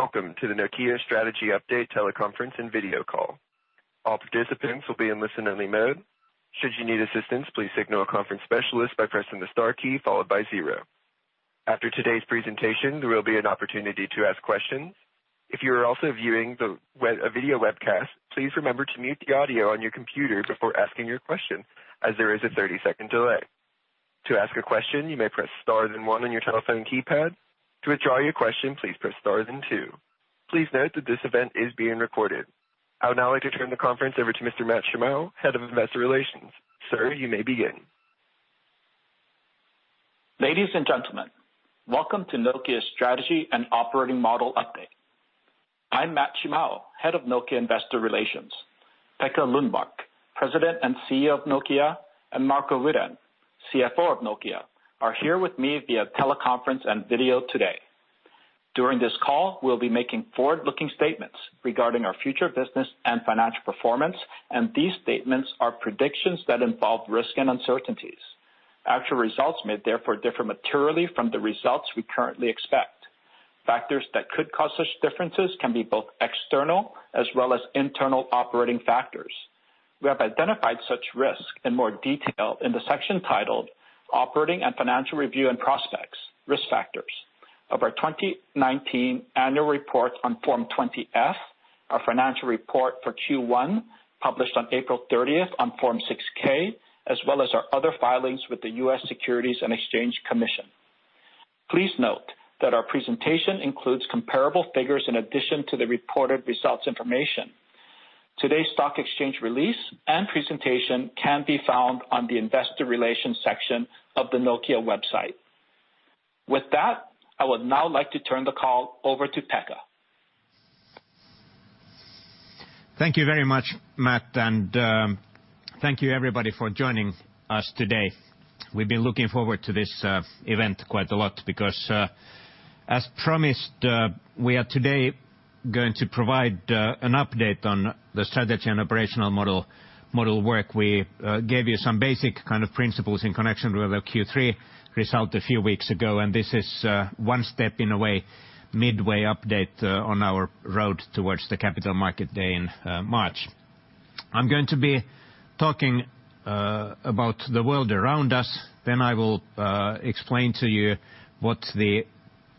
Hello and welcome to the Nokia Strategy Update teleconference and video call. All participants will be in listen-only mode. Should you need assistance, please signal a conference specialist by pressing the star key followed by zero. After today's presentation, there will be an opportunity to ask questions. If you are also viewing the video webcast, please remember to mute the audio on your computer before asking your question, as there is a 30-second delay. To ask a question, you may press star one on your telephone keypad. To withdraw your question, please press star two. Please note that this event is being recorded. I would now like to turn the conference over to Mr. Matt Shimao, Head of Investor Relations. Sir, you may begin. Ladies and gentlemen, welcome to Nokia's Strategy and Operating Model Update. I'm Matt Shimao, Head of Nokia Investor Relations. Pekka Lundmark, President and CEO of Nokia, and Marco Wirén, CFO of Nokia, are here with me via teleconference and video today. During this call, we'll be making forward-looking statements regarding our future business and financial performance, and these statements are predictions that involve risk and uncertainties. Actual results may therefore differ materially from the results we currently expect. Factors that could cause such differences can be both external as well as internal operating factors. We have identified such risks in more detail in the section titled "Operating & Financial Review and Prospects - Risk Factors" of our 2019 Annual Report on Form 20-F, our financial report for Q1, published on April 30th on Form 6-K, as well as our other filings with the U.S. Securities and Exchange Commission. Please note that our presentation includes comparable figures in addition to the reported results information. Today's stock exchange release and presentation can be found on the Investor Relations section of the Nokia website. With that, I would now like to turn the call over to Pekka. Thank you very much, Matt, and thank you, everybody, for joining us today. We've been looking forward to this event quite a lot because, as promised, we are today going to provide an update on the strategy and operational model work. We gave you some basic principles in connection with our Q3 result a few weeks ago, and this is one step, in a way, midway update on our road towards the Capital Markets Day in March. I'm going to be talking about the world around us, then I will explain to you what the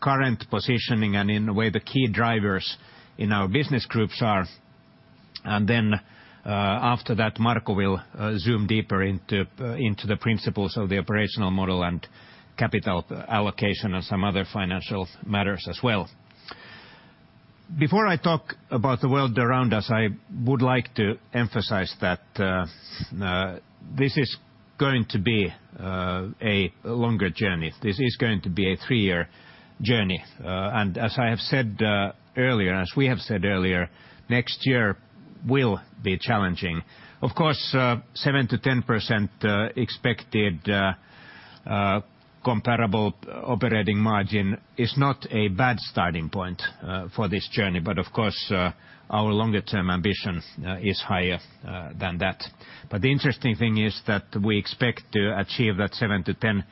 current positioning and, in a way, the key drivers in our business groups are. And then after that, Marco will zoom deeper into the principles of the operational model and capital allocation and some other financial matters as well. Before I talk about the world around us, I would like to emphasize that this is going to be a longer journey. This is going to be a three-year journey. As we have said earlier, next year will be challenging. Of course, 7%-10% expected comparable operating margin is not a bad starting point for this journey. Of course, our longer-term ambition is higher than that. The interesting thing is that we expect to achieve that 7%-10%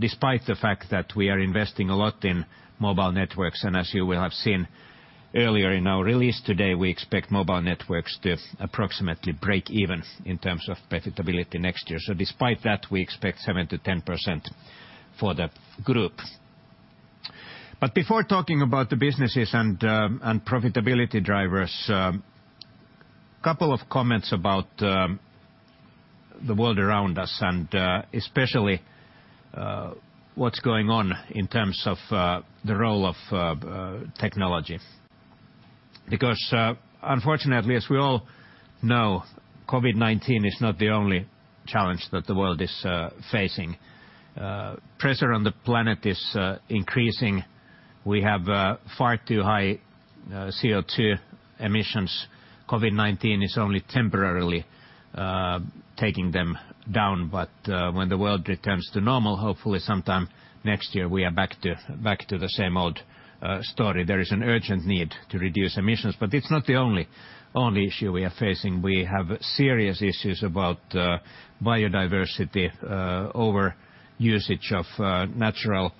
despite the fact that we are investing a lot in Mobile Networks. As you will have seen earlier in our release today, we expect Mobile Networks to approximately break even in terms of profitability next year. Despite that, we expect 7%-10% for the group. Before talking about the businesses and profitability drivers, couple of comments about the world around us and especially what's going on in terms of the role of technology. Unfortunately, as we all know, COVID-19 is not the only challenge that the world is facing. Pressure on the planet is increasing. We have far too high CO2 emissions. COVID-19 is only temporarily taking them down. When the world returns to normal, hopefully sometime next year, we are back to the same old story. There is an urgent need to reduce emissions. It's not the only issue we are facing. We have serious issues about biodiversity, over usage of natural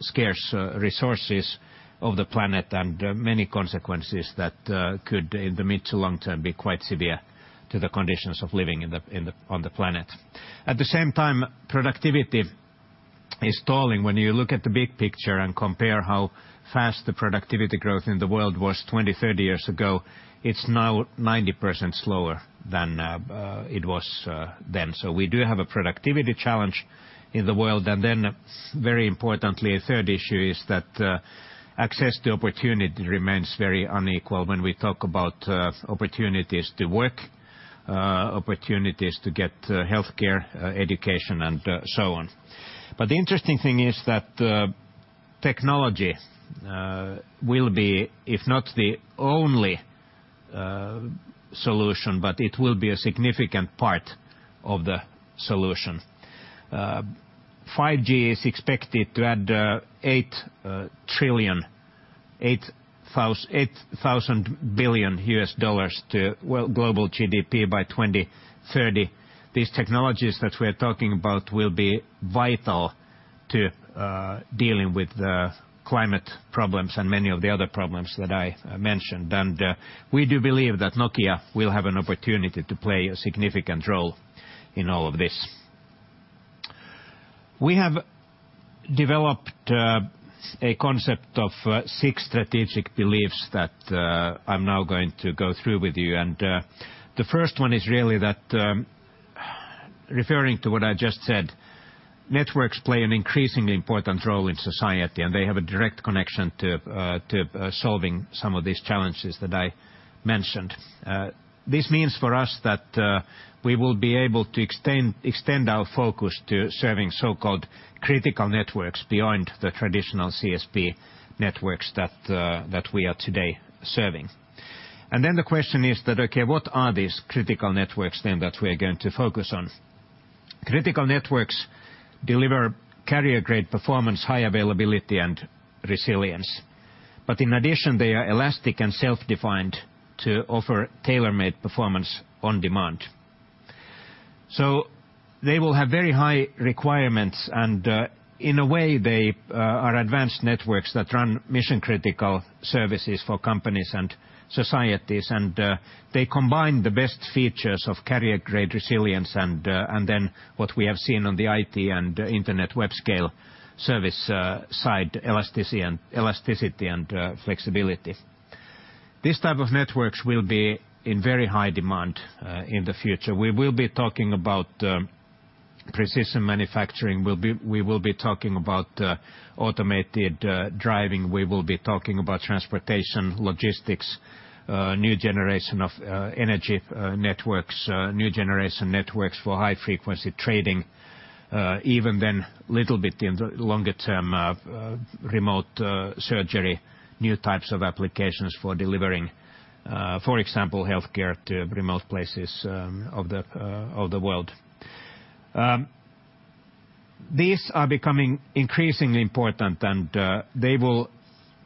scarce resources of the planet, and many consequences that could, in the mid to long-term, be quite severe to the conditions of living on the planet. At the same time, productivity is stalling. When you look at the big picture and compare how fast the productivity growth in the world was 20, 30 years ago, it's now 90% slower than it was then. We do have a productivity challenge in the world. Very importantly, a third issue is that access to opportunity remains very unequal when we talk about opportunities to work, opportunities to get healthcare, education, and so on. The interesting thing is that technology will be, if not the only solution, but it will be a significant part of the solution. 5G is expected to add $8 trillion, 8,000 billion US dollars to global GDP by 2030. These technologies that we're talking about will be vital to dealing with the climate problems and many of the other problems that I mentioned. We do believe that Nokia will have an opportunity to play a significant role in all of this. We have developed a concept of six strategic beliefs that I'm now going to go through with you. The first one is really that, referring to what I just said, networks play an increasingly important role in society, and they have a direct connection to solving some of these challenges that I mentioned. This means, for us, that we will be able to extend our focus to serving so-called critical networks beyond the traditional CSP networks that we are today serving. Then the question is that, okay, what are these critical networks then that we are going to focus on? Critical networks deliver carrier-grade performance, high availability, and resilience. In addition, they are elastic and self-defined to offer tailor-made performance on demand. They will have very high requirements, and in a way, they are advanced networks that run mission-critical services for companies and societies. They combine the best features of carrier-grade resilience and then what we have seen on the IT and internet web scale service side, elasticity and flexibility. These type of networks will be in very high demand in the future. We will be talking about precision manufacturing. We will be talking about automated driving. We will be talking about transportation, logistics, new generation of energy networks, new generation networks for high-frequency trading, even then a little bit in the longer term, remote surgery, new types of applications for delivering, for example, healthcare to remote places of the world. These are becoming increasingly important, and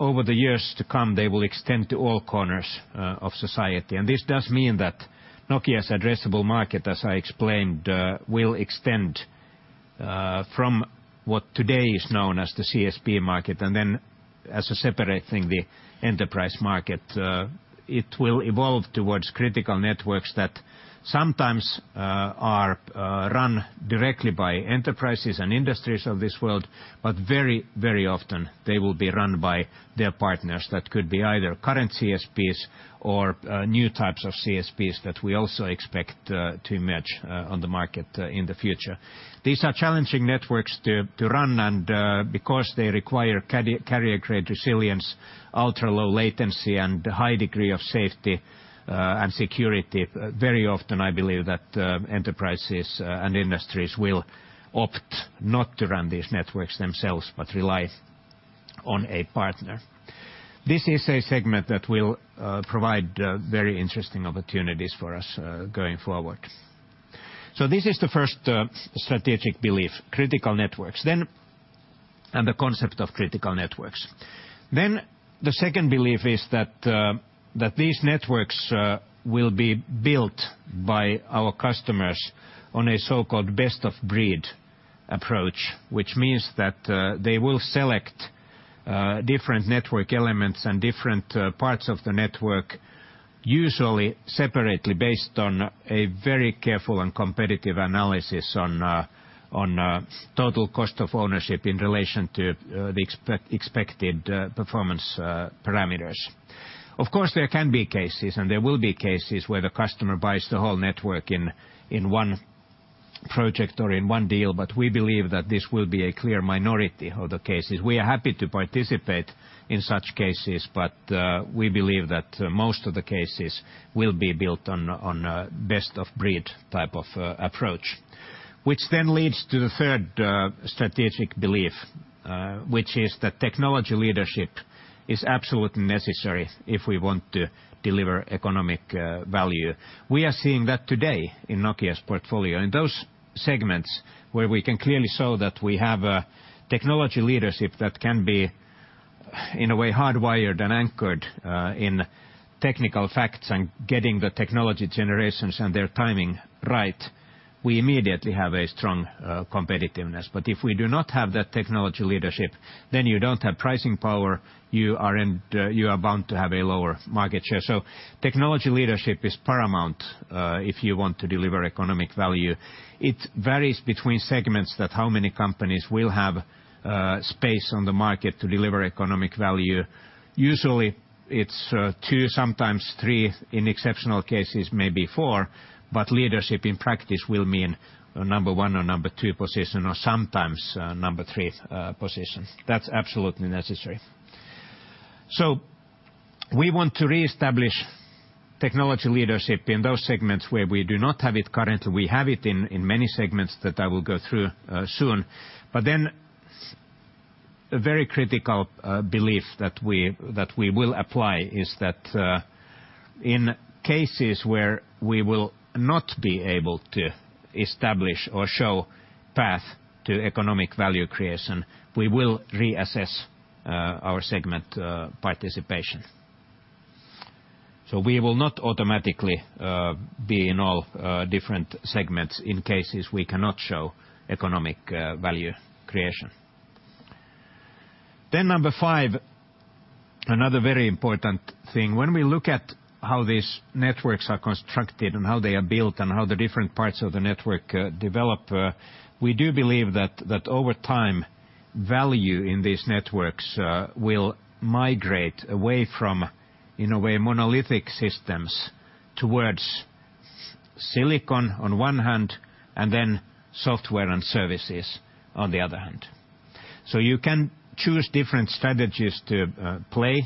over the years to come, they will extend to all corners of society. This does mean that Nokia's addressable market, as I explained, will extend from what today is known as the CSP market, and then as a separate thing, the enterprise market. It will evolve towards critical networks that sometimes are run directly by enterprises and industries of this world, but very often they will be run by their partners. That could be either current CSPs or new types of CSPs that we also expect to emerge on the market in the future. These are challenging networks to run, and because they require carrier-grade resilience, ultra-low latency, and a high degree of safety and security, very often I believe that enterprises and industries will opt not to run these networks themselves but rely on a partner. This is a segment that will provide very interesting opportunities for us going forward. This is the first strategic belief, critical networks. The concept of critical networks. The second belief is that these networks will be built by our customers on a so-called best of breed approach. Which means that they will select different network elements and different parts of the network, usually separately based on a very careful and competitive analysis on total cost of ownership in relation to the expected performance parameters. Of course, there can be cases and there will be cases where the customer buys the whole network in one project or in one deal, but we believe that this will be a clear minority of the cases. We are happy to participate in such cases, but we believe that most of the cases will be built on a best of breed type of approach. Which leads to the third strategic belief, which is that technology leadership is absolutely necessary if we want to deliver economic value. We are seeing that today in Nokia's portfolio. In those segments where we can clearly show that we have a technology leadership that can be, in a way, hardwired and anchored in technical facts and getting the technology generations and their timing right, we immediately have a strong competitiveness. If we do not have that technology leadership, then you don't have pricing power, you are bound to have a lower market share. Technology leadership is paramount, if you want to deliver economic value. It varies between segments that how many companies will have space on the market to deliver economic value. Usually, it's two, sometimes three, in exceptional cases, maybe four. Leadership in practice will mean a number 1 or number 2 position or sometimes a number 3 position. That's absolutely necessary. We want to reestablish technology leadership in those segments where we do not have it currently. We have it in many segments that I will go through soon. A very critical belief that we will apply is that in cases where we will not be able to establish or show path to economic value creation, we will reassess our segment participation. We will not automatically be in all different segments in cases we cannot show economic value creation. Number 5, another very important thing. When we look at how these networks are constructed and how they are built and how the different parts of the network develop, we do believe that over time, value in these networks will migrate away from, in a way, monolithic systems towards silicon on one hand, and then software and services on the other hand. You can choose different strategies to play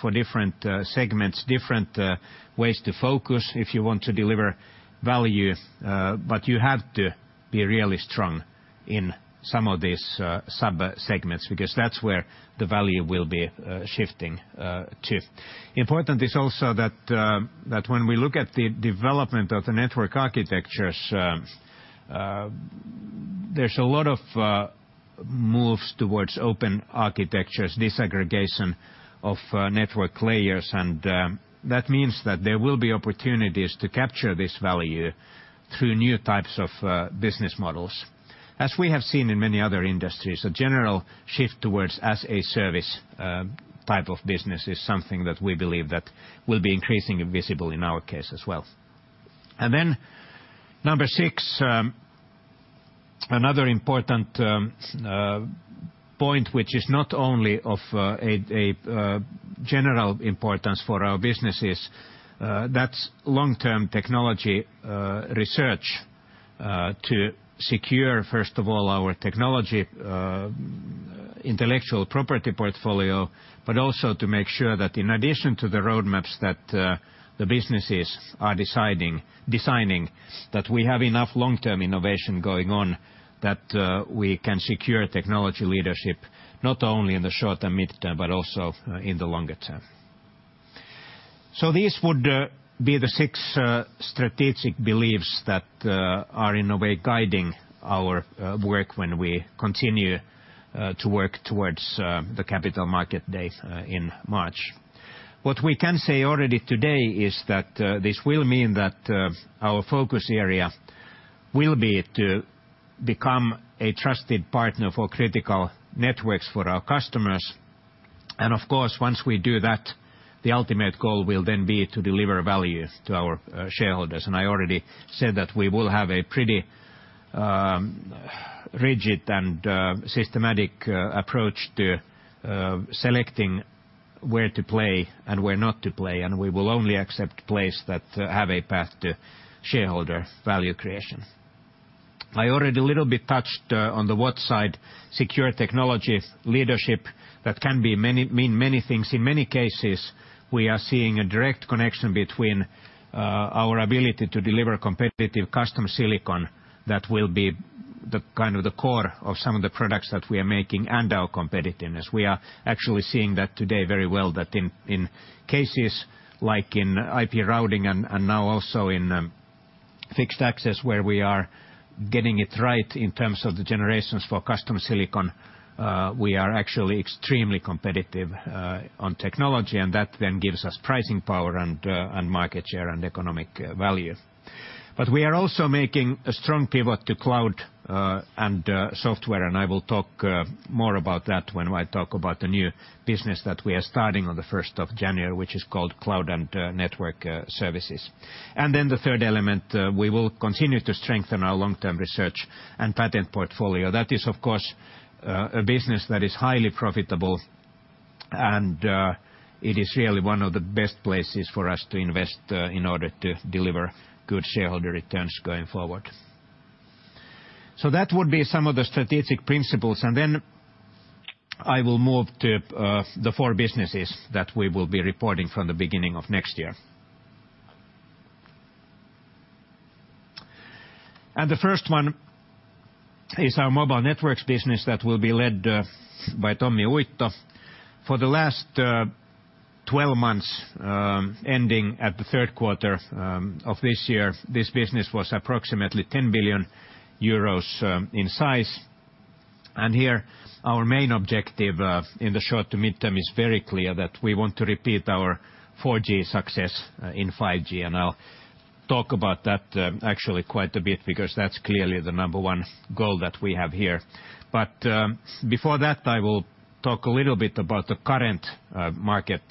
for different segments, different ways to focus if you want to deliver value, but you have to be really strong in some of these sub-segments because that's where the value will be shifting to. Important is also that when we look at the development of the network architectures, there's a lot of moves towards open architectures, disaggregation of network layers, and that means that there will be opportunities to capture this value through new types of business models. As we have seen in many other industries, a general shift towards as-a-service type of business is something that we believe that will be increasingly visible in our case as well. Number six, another important point which is not only of a general importance for our businesses, that is long-term technology research to secure first of all our technology intellectual property portfolio, but also to make sure that in addition to the roadmaps that the businesses are designing, that we have enough long-term innovation going on that we can secure technology leadership, not only in the short and mid-term, but also in the longer term. These would be the six strategic beliefs that are in a way guiding our work when we continue to work towards the Capital Markets Day in March. What we can say already today is that this will mean that our focus area will be to become a trusted partner for critical networks for our customers. Of course, once we do that, the ultimate goal will then be to deliver value to our shareholders. I already said that we will have a pretty rigid and systematic approach to selecting where to play and where not to play, and we will only accept plays that have a path to shareholder value creation. I already a little bit touched on the what side secure technology leadership that can mean many things. In many cases, we are seeing a direct connection between our ability to deliver competitive custom silicon that will be the kind of the core of some of the products that we are making and our competitiveness. We are actually seeing that today very well that in cases like in IP routing and now also in fixed access where we are getting it right in terms of the generations for custom silicon, we are actually extremely competitive on technology, that then gives us pricing power and market share and economic value. We are also making a strong pivot to cloud and software, and I will talk more about that when I talk about the new business that we are starting on the 1st of January, which is called Cloud and Network Services. The third element, we will continue to strengthen our long-term research and patent portfolio. That is, of course, a business that is highly profitable and it is really one of the best places for us to invest in order to deliver good shareholder returns going forward. That would be some of the strategic principles, and then I will move to the four businesses that we will be reporting from the beginning of next year. The first one is our Mobile Networks business that will be led by Tommi Uitto. For the last 12 months, ending at the third quarter of this year, this business was approximately 10 billion euros in size. Here, our main objective in the short to mid-term is very clear that we want to repeat our 4G success in 5G, and I'll talk about that actually quite a bit because that's clearly the number one goal that we have here. Before that, I will talk a little bit about the current market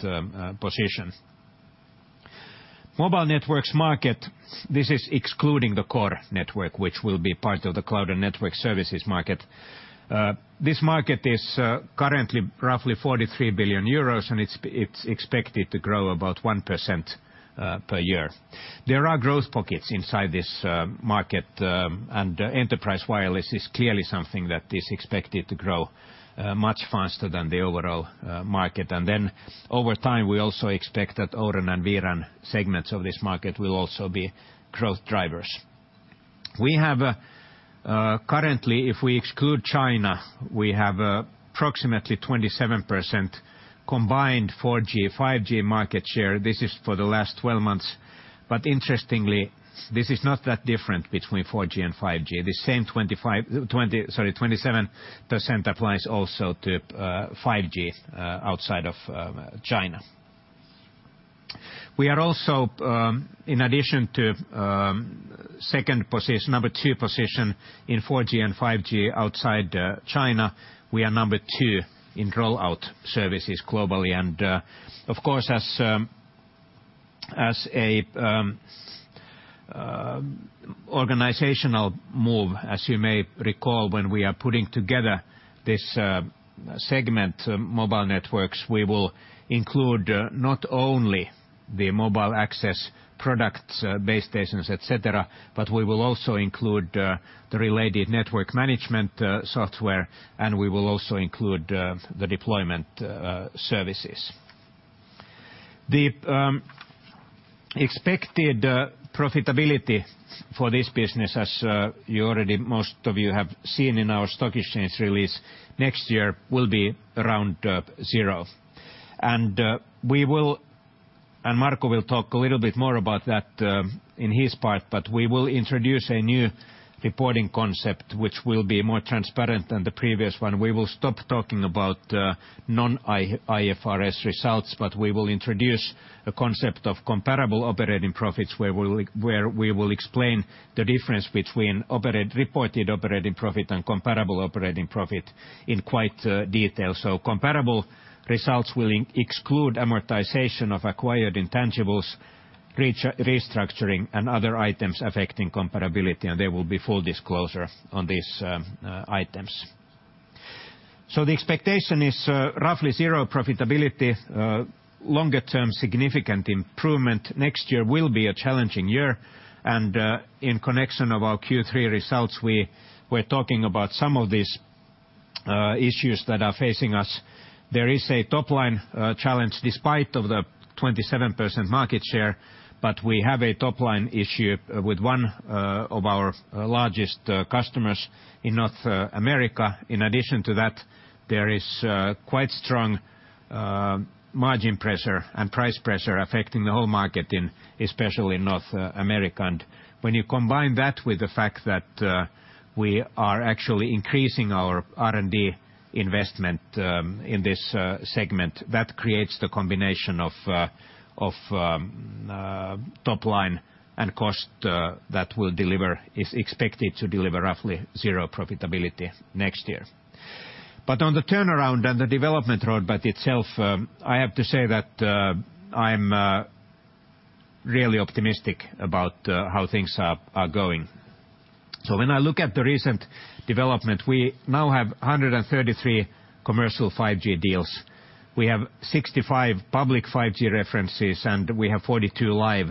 position. Mobile Networks market, this is excluding the core network, which will be part of the Cloud and Network Services market. This market is currently roughly 43 billion euros, and it's expected to grow about 1% per year. There are growth pockets inside this market, and enterprise wireless is clearly something that is expected to grow much faster than the overall market. Over time, we also expect that O-RAN and vRAN segments of this market will also be growth drivers. We have currently, if we exclude China, we have approximately 27% combined 4G, 5G market share. This is for the last 12 months. Interestingly, this is not that different between 4G and 5G. The same 27% applies also to 5G outside of China. We are also, in addition to second position, number 2 position in 4G and 5G outside China, we are number 2 in rollout services globally. Of course, as an organizational move, as you may recall, when we are putting together this segment Mobile Networks, we will include not only the mobile access products, base stations, et cetera, but we will also include the related network management software, and we will also include the deployment services. The expected profitability for this business, as most of you have seen in our stock exchange release, next year will be around zero. Marco will talk a little bit more about that in his part, but we will introduce a new reporting concept which will be more transparent than the previous one. We will stop talking about non-IFRS results, but we will introduce a concept of comparable operating profits, where we will explain the difference between reported operating profit and comparable operating profit in quite detail. Comparable results will exclude amortization of acquired intangibles, restructuring, and other items affecting comparability, and there will be full disclosure on these items. The expectation is roughly zero profitability, longer-term significant improvement. Next year will be a challenging year, and in connection of our Q3 results, we're talking about some of these issues that are facing us. There is a top-line challenge despite of the 27% market share, but we have a top-line issue with one of our largest customers in North America. In addition to that, there is quite strong margin pressure and price pressure affecting the whole market, especially in North America. When you combine that with the fact that we are actually increasing our R&D investment in this segment, that creates the combination of top-line and cost that is expected to deliver roughly zero profitability next year. On the turnaround and the development roadmap itself, I have to say that I'm really optimistic about how things are going. When I look at the recent development, we now have 133 commercial 5G deals. We have 65 public 5G references, and we have 42 live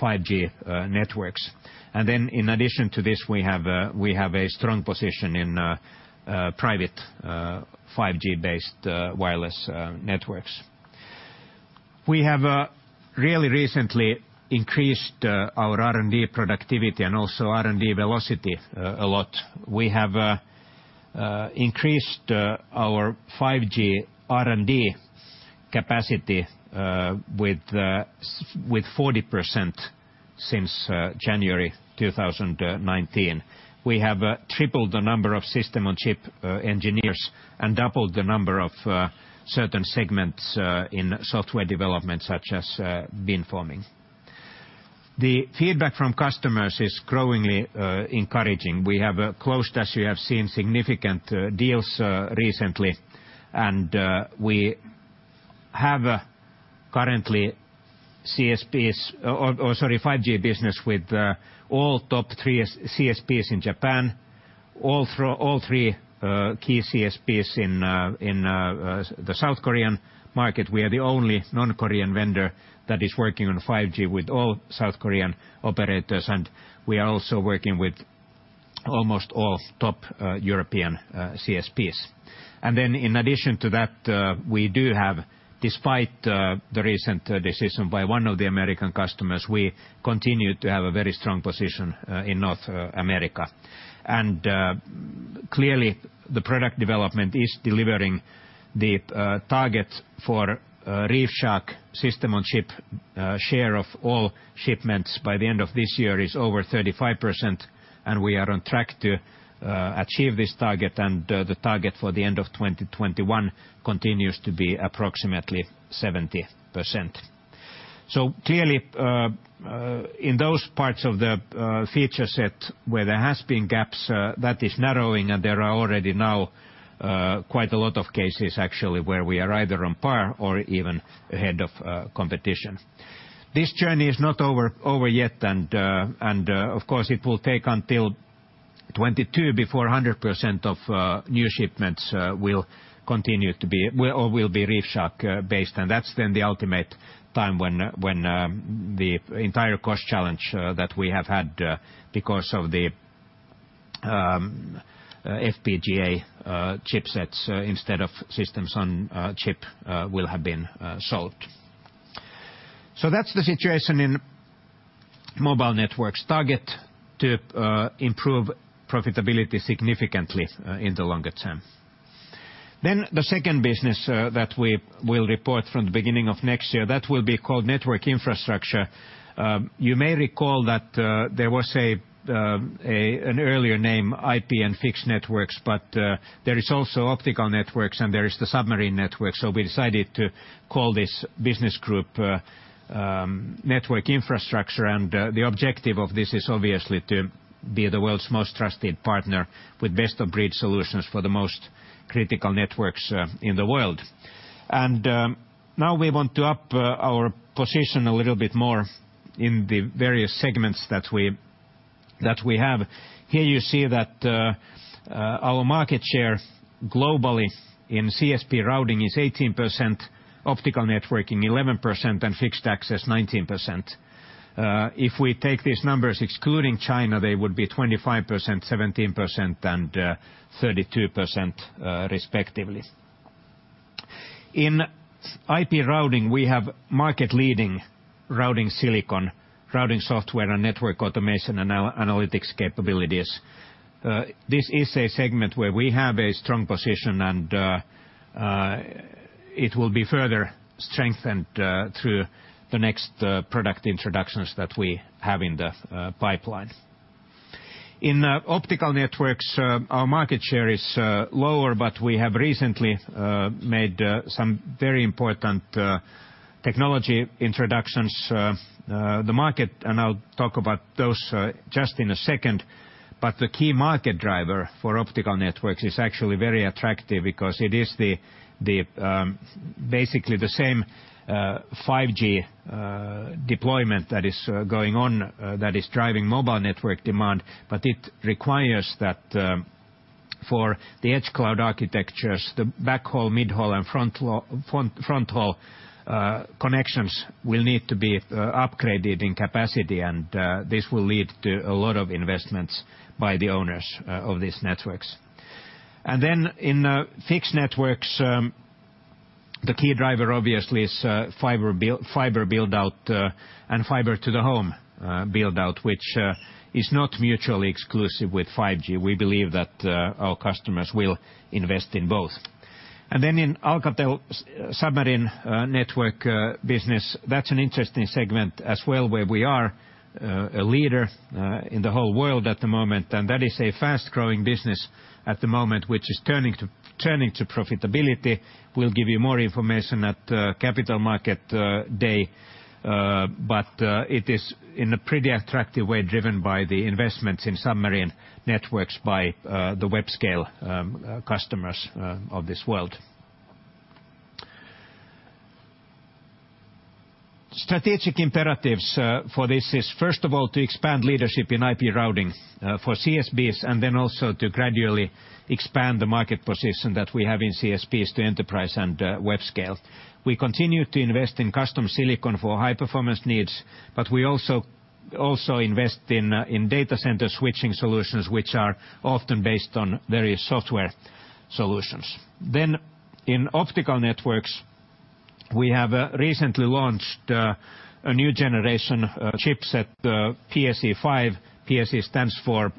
5G networks. In addition to this, we have a strong position in private 5G-based wireless networks. We have really recently increased our R&D productivity and also R&D velocity a lot. We have increased our 5G R&D capacity with 40% since January 2019. We have tripled the number of System on a chip engineers and doubled the number of certain segments in software development, such as beamforming. The feedback from customers is growingly encouraging. We have closed, as you have seen, significant deals recently. We have currently 5G business with all top 3 CSPs in Japan, all 3 key CSPs in the South Korean market. We are the only non-Korean vendor that is working on 5G with all South Korean operators. We are also working with almost all top European CSPs. In addition to that, despite the recent decision by one of the American customers, we continue to have a very strong position in North America. Clearly, the product development is delivering the target for ReefShark system on chip share of all shipments by the end of this year is over 35%. We are on track to achieve this target. The target for the end of 2021 continues to be approximately 70%. Clearly, in those parts of the feature set where there has been gaps, that is narrowing, and there are already now quite a lot of cases actually where we are either on par or even ahead of competition. This journey is not over yet, of course, it will take until 2022 before 100% of new shipments will be ReefShark based. That's then the ultimate time when the entire cost challenge that we have had because of the FPGA chipsets instead of systems on chip will have been solved. That's the situation in Mobile Networks. Target, to improve profitability significantly in the longer term. The second business that we will report from the beginning of next year, that will be called Network Infrastructure. You may recall that there was an earlier name, IP and Fixed Networks. There is also Optical Networks. There is the Submarine Network. We decided to call this business group Network Infrastructure. The objective of this is obviously to be the world's most trusted partner with best-of-breed solutions for the most critical networks in the world. Now we want to up our position a little bit more in the various segments that we have. Here you see that our market share globally in CSP routing is 18%, optical networking 11%, and fixed access 19%. If we take these numbers excluding China, they would be 25%, 17%, and 32% respectively. In IP routing, we have market-leading routing silicon, routing software, and network automation and analytics capabilities. This is a segment where we have a strong position, and it will be further strengthened through the next product introductions that we have in the pipeline. In Optical Networks, our market share is lower, but we have recently made some very important technology introductions. The market, and I'll talk about those just in a second, but the key market driver for Optical Networks is actually very attractive because it is basically the same 5G deployment that is going on that is driving Mobile Networks demand. It requires that for the edge cloud architectures, the backhaul, mid-haul, and fronthaul connections will need to be upgraded in capacity, and this will lead to a lot of investments by the owners of these networks. Then in Fixed Networks, the key driver obviously is fiber build-out and fiber to the home build-out, which is not mutually exclusive with 5G. We believe that our customers will invest in both. Then in Alcatel Submarine Networks business, that's an interesting segment as well, where we are a leader in the whole world at the moment. That is a fast-growing business at the moment, which is turning to profitability. We'll give you more information at Capital Markets Day, it is in a pretty attractive way driven by the investments in submarine networks by the web-scale customers of this world. Strategic imperatives for this is, first of all, to expand leadership in IP routing for CSPs. Also to gradually expand the market position that we have in CSPs to enterprise and web scale. We continue to invest in custom silicon for high-performance needs. We also invest in data center switching solutions, which are often based on various software solutions. In optical networks, we have recently launched a new generation chipset, PSE-5. PSE stands for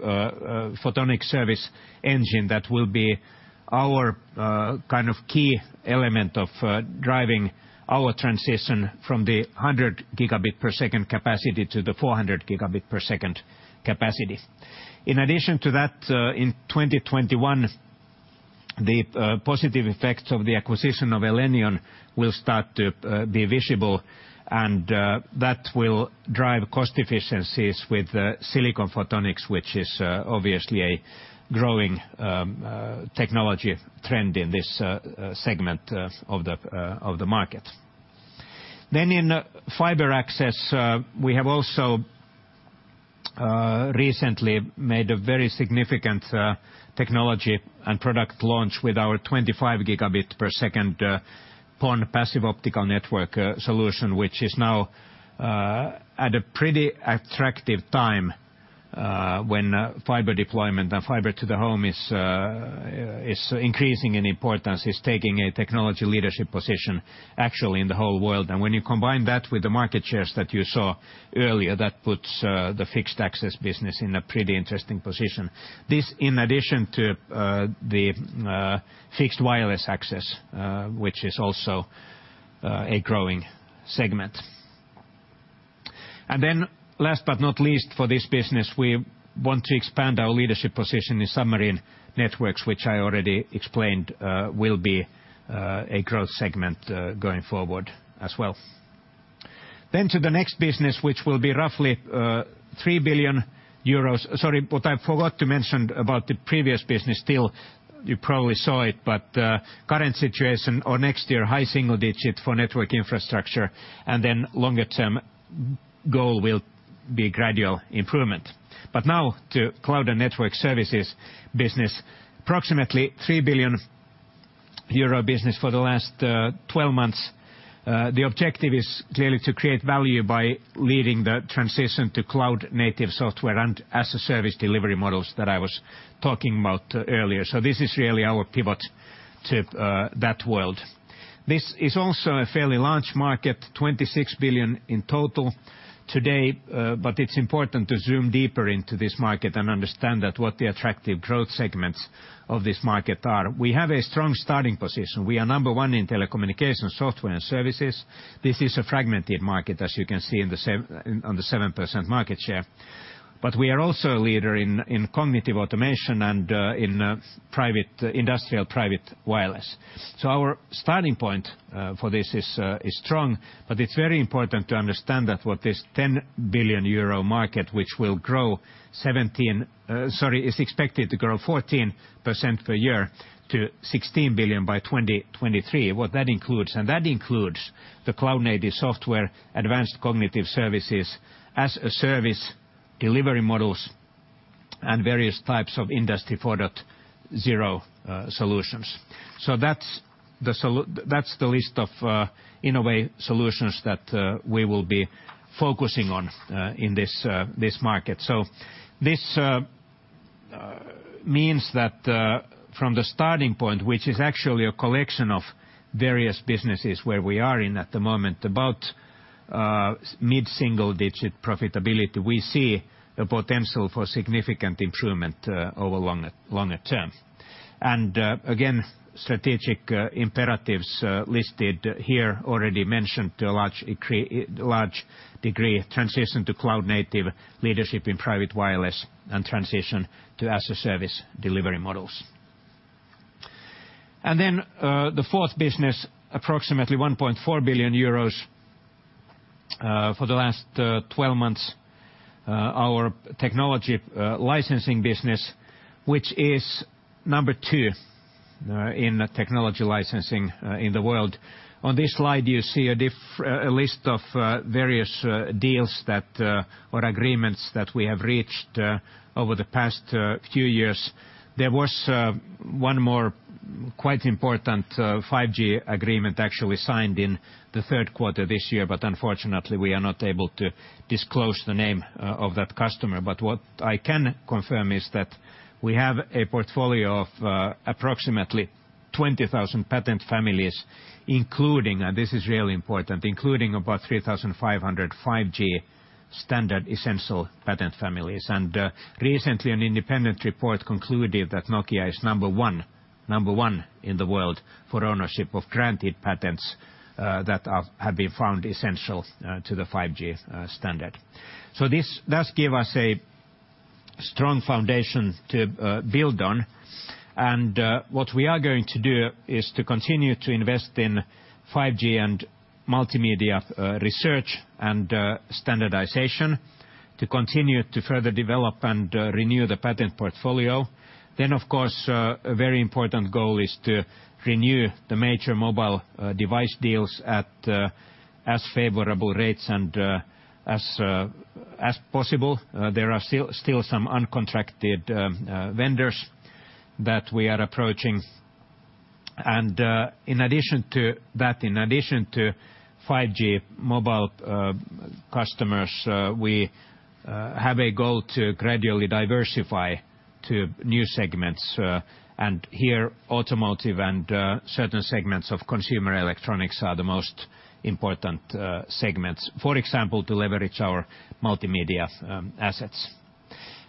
Photonic Service Engine. That will be our kind of key element of driving our transition from the 100 gigabit per second capacity to the 400 gigabit per second capacity. In addition to that, in 2021, the positive effects of the acquisition of Elenion will start to be visible, and that will drive cost efficiencies with silicon photonics, which is obviously a growing technology trend in this segment of the market. In fiber access, we have also recently made a very significant technology and product launch with our 25 gigabit per second PON passive optical network solution, which is now at a pretty attractive time when fiber deployment and fiber to the home is increasing in importance. It's taking a technology leadership position actually in the whole world. When you combine that with the market shares that you saw earlier, that puts the fixed access business in a pretty interesting position. This in addition to the fixed wireless access, which is also a growing segment. Last but not least, for this business, we want to expand our leadership position in submarine networks, which I already explained will be a growth segment going forward as well. To the next business, which will be roughly 3 billion euros. What I forgot to mention about the previous business, still you probably saw it, but current situation or next year, high single-digit for Network Infrastructure, and then longer term goal will be gradual improvement. To Cloud and Network Services business. Approximately 3 billion euro business for the last 12 months. The objective is clearly to create value by leading the transition to cloud-native software and as-a-service delivery models that I was talking about earlier. This is really our pivot to that world. This is also a fairly large market, 26 billion in total today. It's important to zoom deeper into this market and understand that what the attractive growth segments of this market are. We have a strong starting position. We are number one in telecommunication software and services. This is a fragmented market, as you can see on the 7% market share. We are also a leader in cognitive automation and in industrial private wireless. Our starting point for this is strong, but it's very important to understand that what this 10 billion euro market, which is expected to grow 14% per year to 16 billion by 2023, what that includes. That includes the cloud-native software, advanced cognitive services, as-a-service delivery models, and various types of Industry 4.0 solutions. That's the list of innovative solutions that we will be focusing on in this market. This means that from the starting point, which is actually a collection of various businesses where we are in at the moment, about mid-single digit profitability, we see a potential for significant improvement over longer term. Again, strategic imperatives listed here already mentioned to a large degree, transition to cloud-native, leadership in private wireless, and transition to as-a-service delivery models. The fourth business, approximately 1.4 billion euros, for the last 12 months, our technology licensing business, which is number 2 in technology licensing in the world. On this slide, you see a list of various deals or agreements that we have reached over the past few years. There was one more quite important 5G agreement actually signed in the third quarter this year, but unfortunately, we are not able to disclose the name of that customer. What I can confirm is that we have a portfolio of approximately 20,000 patent families, including, and this is really important, including about 3,500 5G standard essential patent families. Recently, an independent report concluded that Nokia is number one in the world for ownership of granted patents that have been found essential to the 5G standard. This does give us a strong foundation to build on. What we are going to do is to continue to invest in 5G and multimedia research and standardization, to continue to further develop and renew the patent portfolio. Of course, a very important goal is to renew the major mobile device deals at as favorable rates and as possible. There are still some uncontracted vendors that we are approaching. In addition to that, in addition to 5G mobile customers, we have a goal to gradually diversify to new segments. Here, automotive and certain segments of consumer electronics are the most important segments. For example, to leverage our multimedia assets.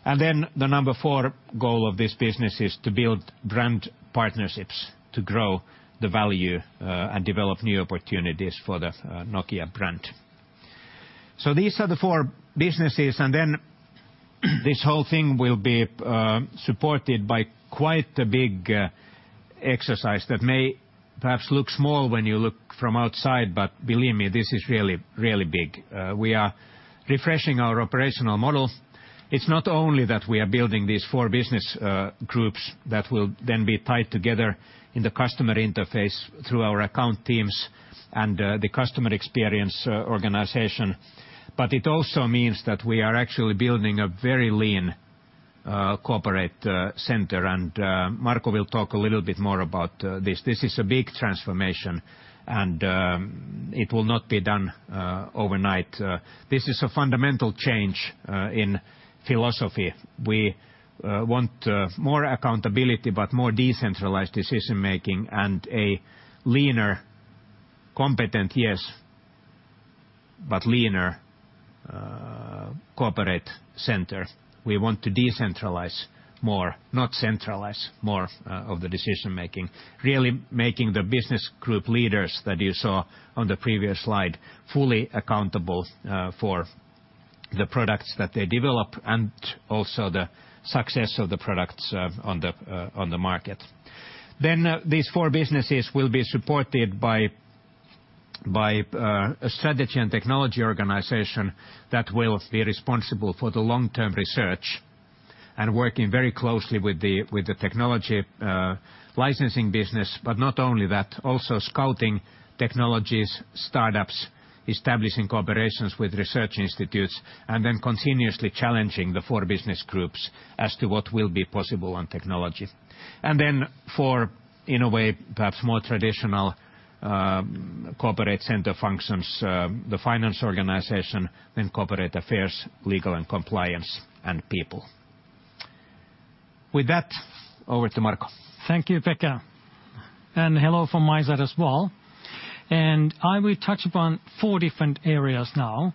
The number four goal of this business is to build brand partnerships to grow the value and develop new opportunities for the Nokia brand. These are the four businesses, and then this whole thing will be supported by quite a big exercise that may perhaps look small when you look from outside, but believe me, this is really, really big. We are refreshing our operational model. It's not only that we are building these four business groups that will then be tied together in the customer interface through our account teams and the customer experience organization, but it also means that we are actually building a very lean corporate center. Marco will talk a little bit more about this. This is a big transformation, and it will not be done overnight. This is a fundamental change in philosophy. We want more accountability, but more decentralized decision-making and a leaner, competent, yes, but leaner corporate center. We want to decentralize more, not centralize more of the decision-making. Really making the business group leaders that you saw on the previous slide fully accountable for the products that they develop and also the success of the products on the market. These four businesses will be supported by a strategy and technology organization that will be responsible for the long-term research and working very closely with the technology licensing business. Not only that, also scouting technologies, startups, establishing cooperations with research institutes, and continuously challenging the four business groups as to what will be possible on technology. 4, in a way, perhaps more traditional corporate center functions, the finance organization, then corporate affairs, legal and compliance, and people. With that, over to Marco. Thank you, Pekka. Hello from my side as well. I will touch upon four different areas now,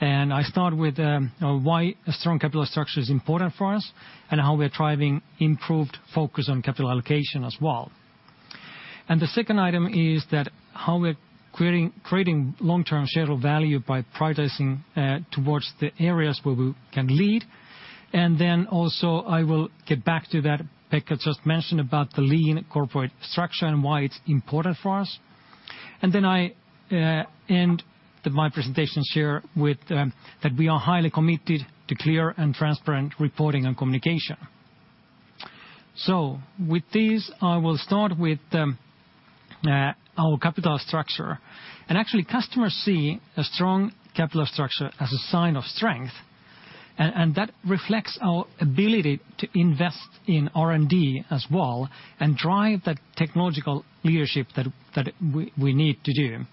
and I start with why a strong capital structure is important for us and how we're driving improved focus on capital allocation as well. The second item is that how we're creating long-term shareholder value by prioritizing towards the areas where we can lead. Also, I will get back to that, Pekka just mentioned about the lean corporate structure and why it's important for us. I end my presentation here with that we are highly committed to clear and transparent reporting and communication. With this, I will start with our capital structure. Actually, customers see a strong capital structure as a sign of strength, and that reflects our ability to invest in R&D as well and drive that technological leadership that we need to do.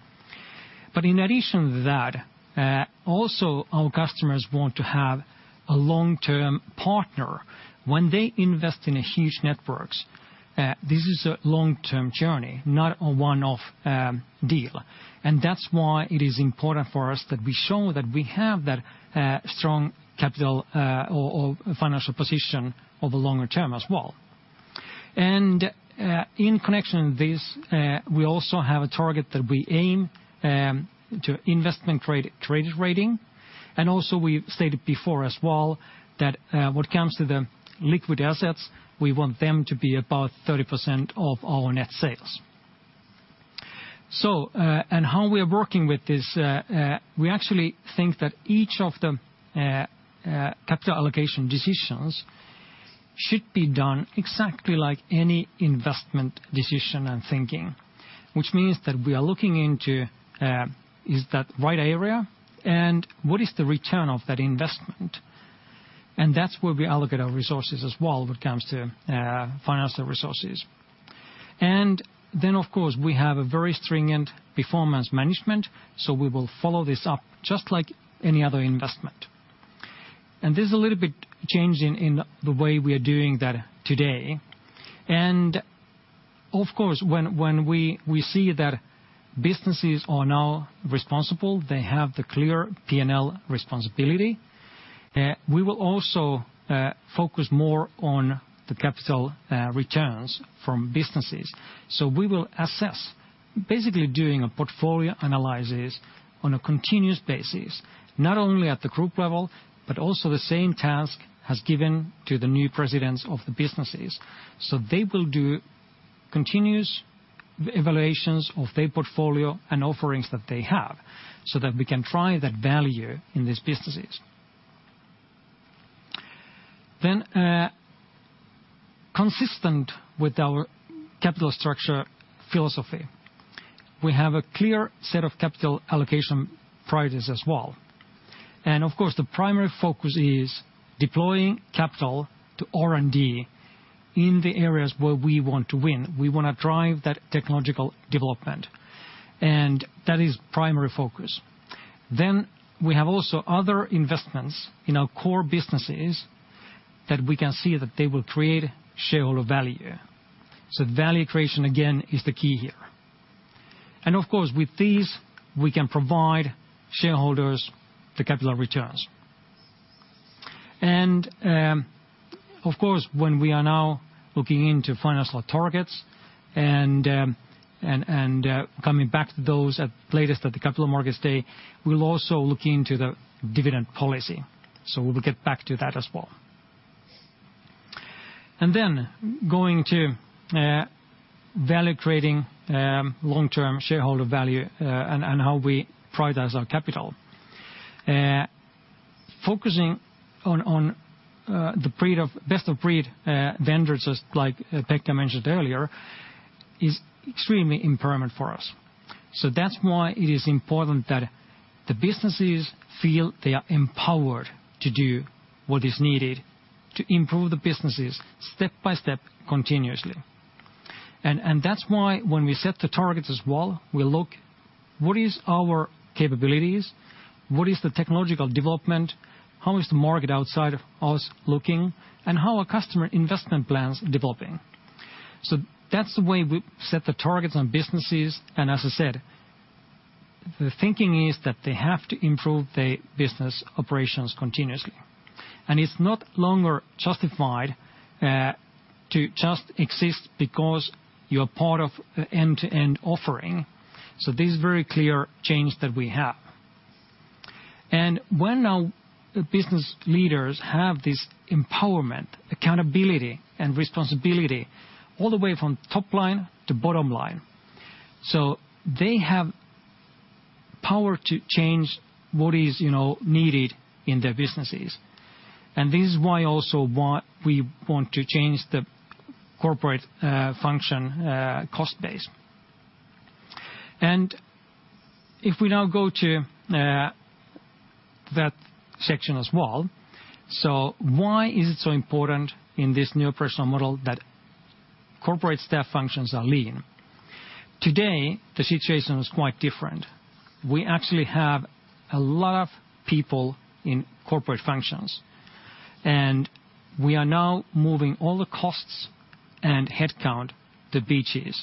In addition to that, also our customers want to have a long-term partner when they invest in a huge networks. This is a long-term journey, not a one-off deal. That's why it is important for us that we show that we have that strong capital or financial position over longer term as well. In connection with this, we also have a target that we aim to investment credit rating. Also we've stated before as well that when it comes to the liquid assets, we want them to be about 30% of our net sales. How we are working with this, we actually think that each of the capital allocation decisions should be done exactly like any investment decision and thinking, which means that we are looking into is that right area and what is the return of that investment, and that's where we allocate our resources as well when it comes to financial resources. Then of course, we have a very stringent performance management, so we will follow this up just like any other investment. There's a little bit change in the way we are doing that today. Of course, when we see that businesses are now responsible, they have the clear P&L responsibility. We will also focus more on the capital returns from businesses. We will assess basically doing a portfolio analysis on a continuous basis, not only at the group level, but also the same task has given to the new presidents of the businesses. They will do continuous evaluations of their portfolio and offerings that they have so that we can drive that value in these businesses. Consistent with our capital structure philosophy, we have a clear set of capital allocation priorities as well. Of course, the primary focus is deploying capital to R&D in the areas where we want to win. We want to drive that technological development, and that is primary focus. We have also other investments in our core businesses that we can see that they will create shareholder value. Value creation again is the key here. Of course with these, we can provide shareholders the capital returns. Of course, when we are now looking into financial targets and coming back to those at latest at the Capital Markets Day, we'll also look into the dividend policy. We'll get back to that as well. Then going to value creating long-term shareholder value and how we prioritize our capital. Focusing on the best of breed vendors, just like Pekka mentioned earlier, is extremely important for us. That's why it is important that the businesses feel they are empowered to do what is needed to improve the businesses step by step continuously. That's why when we set the targets as well, we look what is our capabilities, what is the technological development, how is the market outside of us looking, and how are customer investment plans developing. That's the way we set the targets on businesses, and as I said, the thinking is that they have to improve their business operations continuously. It's not longer justified to just exist because you're part of the end-to-end offering. This is very clear change that we have. When our business leaders have this empowerment, accountability, and responsibility all the way from top line to bottom line. They have power to change what is needed in their businesses. This is why also we want to change the corporate function cost base. If we now go to that section as well. Why is it so important in this new operational model that corporate staff functions are lean? Today, the situation is quite different. We actually have a lot of people in corporate functions. We are now moving all the costs and headcount to BGs,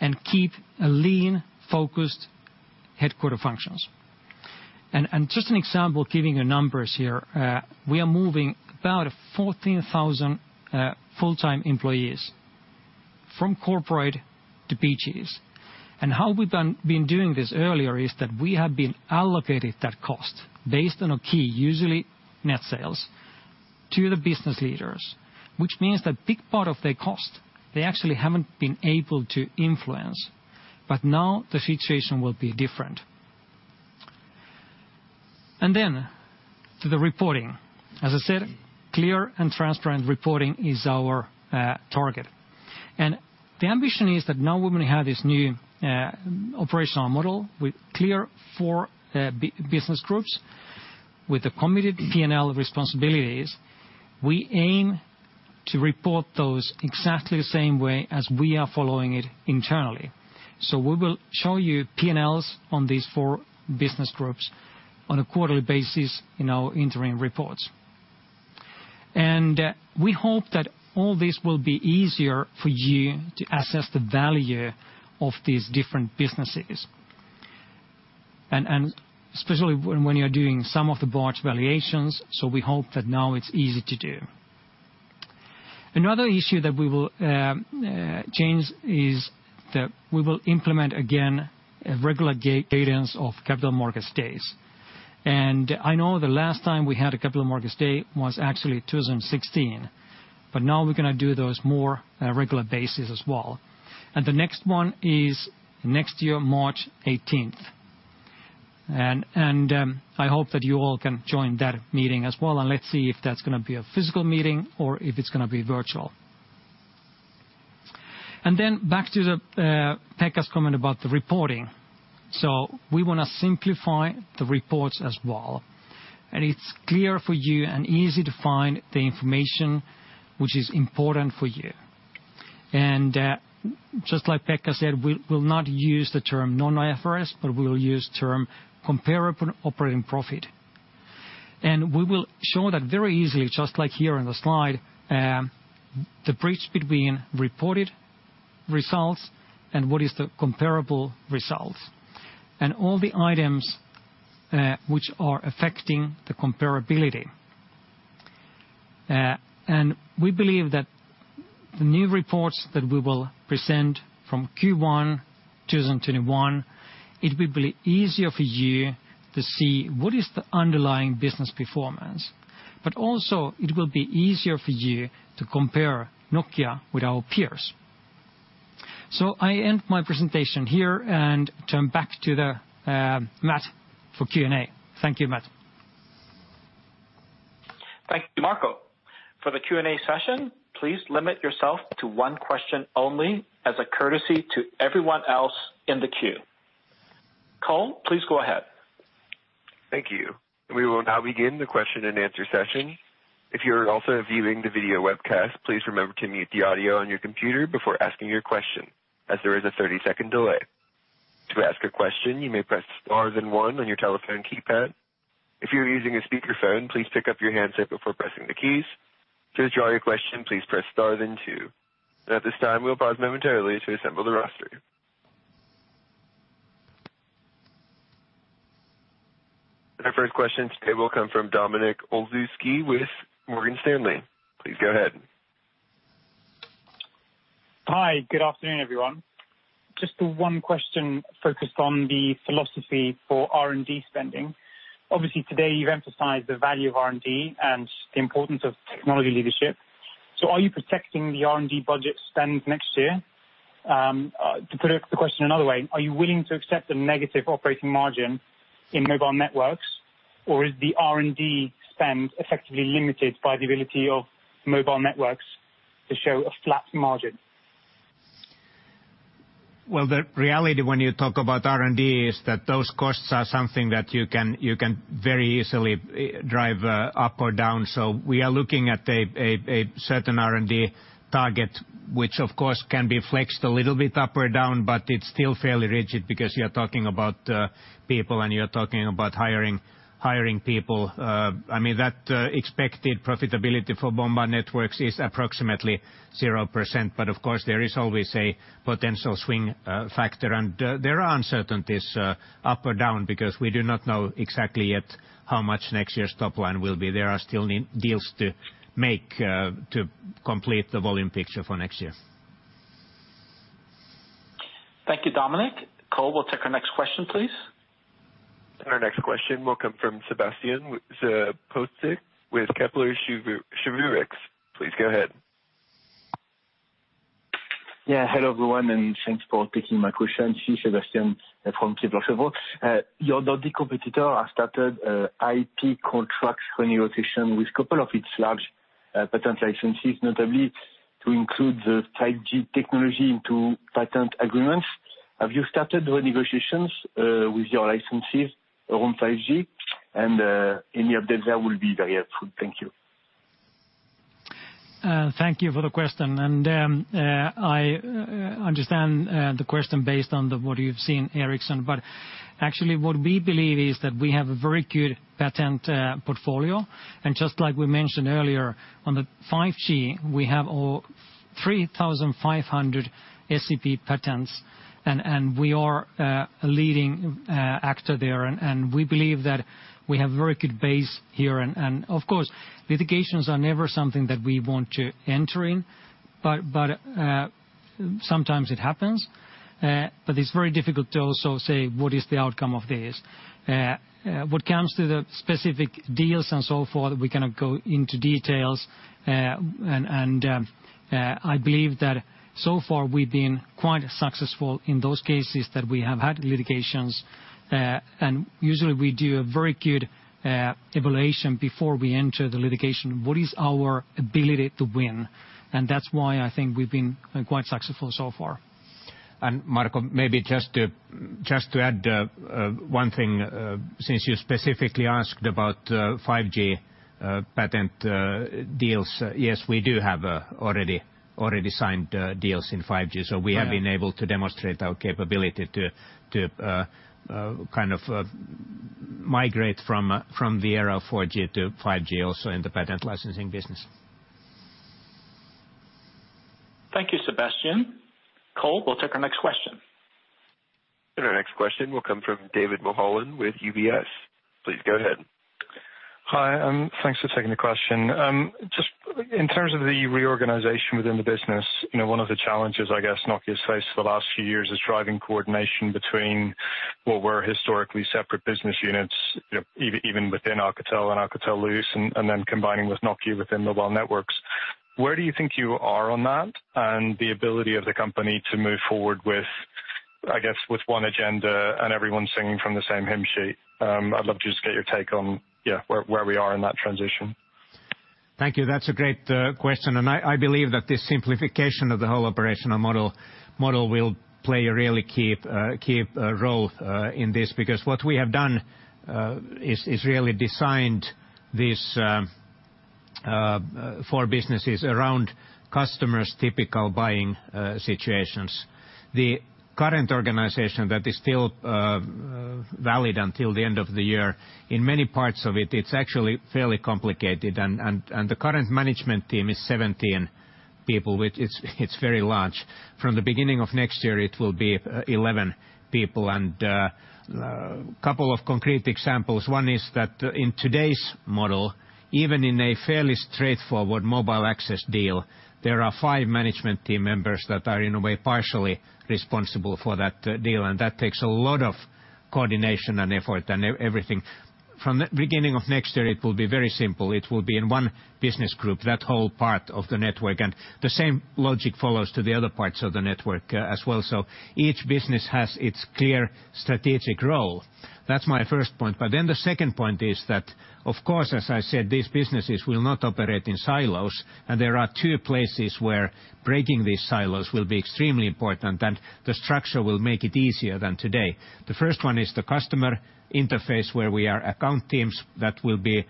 and keep lean, focused headquarter functions. Just an example, giving you numbers here, we are moving about 14,000 full-time employees from corporate to BGs. How we've been doing this earlier is that we have been allocating that cost based on a key, usually net sales, to the business leaders, which means that big part of their cost, they actually haven't been able to influence. Now the situation will be different. To the reporting. As I said, clear and transparent reporting is our target. The ambition is that now we will have this new operational model with clear four business groups with the committed P&L responsibilities. We aim to report those exactly the same way as we are following it internally. We will show you P&Ls on these four business groups on a quarterly basis in our interim reports. We hope that all this will be easier for you to assess the value of these different businesses, and especially when you're doing some of the large valuations. We hope that now it's easy to do. Another issue that we will change is that we will implement again a regular cadence of Capital Markets Days. I know the last time we had a Capital Markets Day was actually 2016. Now we're going to do those more regular basis as well. The next one is next year, March 18th. I hope that you all can join that meeting as well, and let's see if that's going to be a physical meeting or if it's going to be virtual. Back to Pekka's comment about the reporting. We want to simplify the reports as well. It's clear for you and easy to find the information which is important for you. Just like Pekka said, we'll not use the term non-IFRS, but we'll use term comparable operating profit. We will show that very easily, just like here in the slide, the bridge between reported results and what is the comparable results, and all the items which are affecting the comparability. We believe that the new reports that we will present from Q1 2021, it will be easier for you to see what is the underlying business performance. Also it will be easier for you to compare Nokia with our peers. I end my presentation here and turn back to Matt for Q&A. Thank you, Matt. Thank you, Marco. For the Q&A session, please limit yourself to one question only as a courtesy to everyone else in the queue. Cole, please go ahead. Thank you. We will now begin the question and answer session. If you're also viewing the video webcast, please remember to mute the audio on your computer before asking your question, as there is a 30-second delay. To ask a question, you may press star then one on your telephone keypad. If you're using a speakerphone, please pick up your handset before pressing the keys. To withdraw your question, please press star then two. And at this time, we'll pause momentarily to assemble the roster. Our first question today will come from Dominik Olszewski with Morgan Stanley. Please go ahead. Hi. Good afternoon, everyone. Just the one question focused on the philosophy for R&D spending. Obviously, today you've emphasized the value of R&D and the importance of technology leadership. Are you protecting the R&D budget spend next year? To put the question another way, are you willing to accept a negative operating margin in Mobile Networks, or is the R&D spend effectively limited by the ability of Mobile Networks to show a flat margin? The reality when you talk about R&D is that those costs are something that you can very easily drive up or down. We are looking at a certain R&D target, which of course, can be flexed a little bit up or down, but it's still fairly rigid because you're talking about people and you're talking about hiring people. That expected profitability for Mobile Networks is approximately 0%. Of course, there is always a potential swing factor, and there are uncertainties up or down because we do not know exactly yet how much next year's top line will be. There are still deals to make to complete the volume picture for next year. Thank you, Dominik. Cole, we'll take our next question, please. Our next question will come from Sebastian with Kepler Cheuvreux. Please go ahead. Yeah. Hello, everyone, and thanks for taking my question. It's Sebastian from Kepler Cheuvreux. Your competitor has started IP contracts renegotiation with couple of its large patent licensees, notably to include the 5G technology into patent agreements. Have you started renegotiations with your licensees around 5G? Any update there will be very helpful. Thank you. Thank you for the question. I understand the question based on what you've seen, Ericsson. Actually, what we believe is that we have a very good patent portfolio. Just like we mentioned earlier, on the 5G, we have 3,500 SEP patents, and we are a leading actor there. We believe that we have very good base here. Of course, litigations are never something that we want to enter in, but sometimes it happens. It's very difficult to also say what is the outcome of this. What comes to the specific deals and so forth, we cannot go into details. I believe that so far we've been quite successful in those cases that we have had litigations. Usually, we do a very good evaluation before we enter the litigation. What is our ability to win? That's why I think we've been quite successful so far. Marco, maybe just to add one thing, since you specifically asked about 5G patent deals. Yes, we do have already signed deals in 5G. We have been able to demonstrate our capability to kind of migrate from the era of 4G to 5G, also in the patent licensing business. Thank you, Sebastian. Cole, we'll take our next question. Our next question will come from David Mulholland with UBS. Please go ahead. Hi, thanks for taking the question. Just in terms of the reorganization within the business, one of the challenges, I guess Nokia's faced for the last few years is driving coordination between what were historically separate business units, even within Alcatel and Alcatel-Lucent, and then combining with Nokia within Mobile Networks. Where do you think you are on that, and the ability of the company to move forward with, I guess, with one agenda and everyone singing from the same hymn sheet? I'd love to just get your take on, yeah, where we are in that transition. Thank you. That's a great question. I believe that this simplification of the whole operational model will play a really key role in this. What we have done is really designed these four businesses around customers' typical buying situations. The current organization that is still valid until the end of the year, in many parts of it is actually fairly complicated. The current management team is 17 people. It is very large. From the beginning of next year, it will be 11 people. A couple of concrete examples. One is that in today's model, even in a fairly straightforward mobile access deal, there are five management team members that are in a way, partially responsible for that deal, and that takes a lot of coordination and effort and everything. From the beginning of next year, it will be very simple. It will be in one business group, that whole part of the network. The same logic follows to the other parts of the network as well. Each business has its clear strategic role. That's my first point. The second point is that, of course, as I said, these businesses will not operate in silos, and there are two places where breaking these silos will be extremely important, and the structure will make it easier than today. The first one is the customer interface, where we are account teams that will be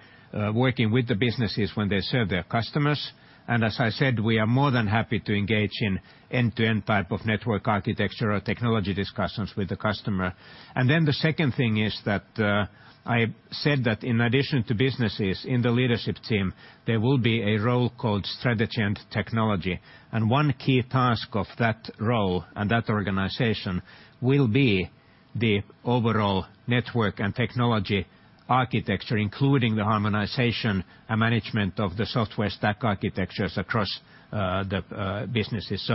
working with the businesses when they serve their customers. As I said, we are more than happy to engage in end-to-end type of network architecture or technology discussions with the customer. The second thing is that I said that in addition to businesses in the leadership team, there will be a role called Strategy and Technology. One key task of that role and that organization will be the overall network and technology architecture, including the harmonization and management of the software stack architectures across the businesses.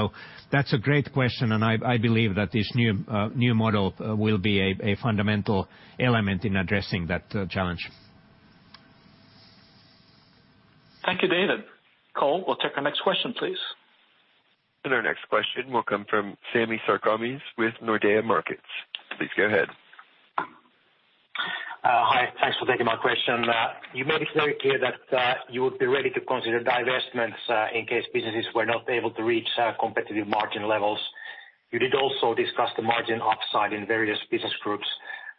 That's a great question, and I believe that this new model will be a fundamental element in addressing that challenge. Thank you, David. Cole, we'll take our next question, please. Our next question will come from Sami Sarkamies with Nordea Markets. Please go ahead. Hi. Thanks for taking my question. You made it very clear that you would be ready to consider divestments in case businesses were not able to reach competitive margin levels. You did also discuss the margin upside in various business groups.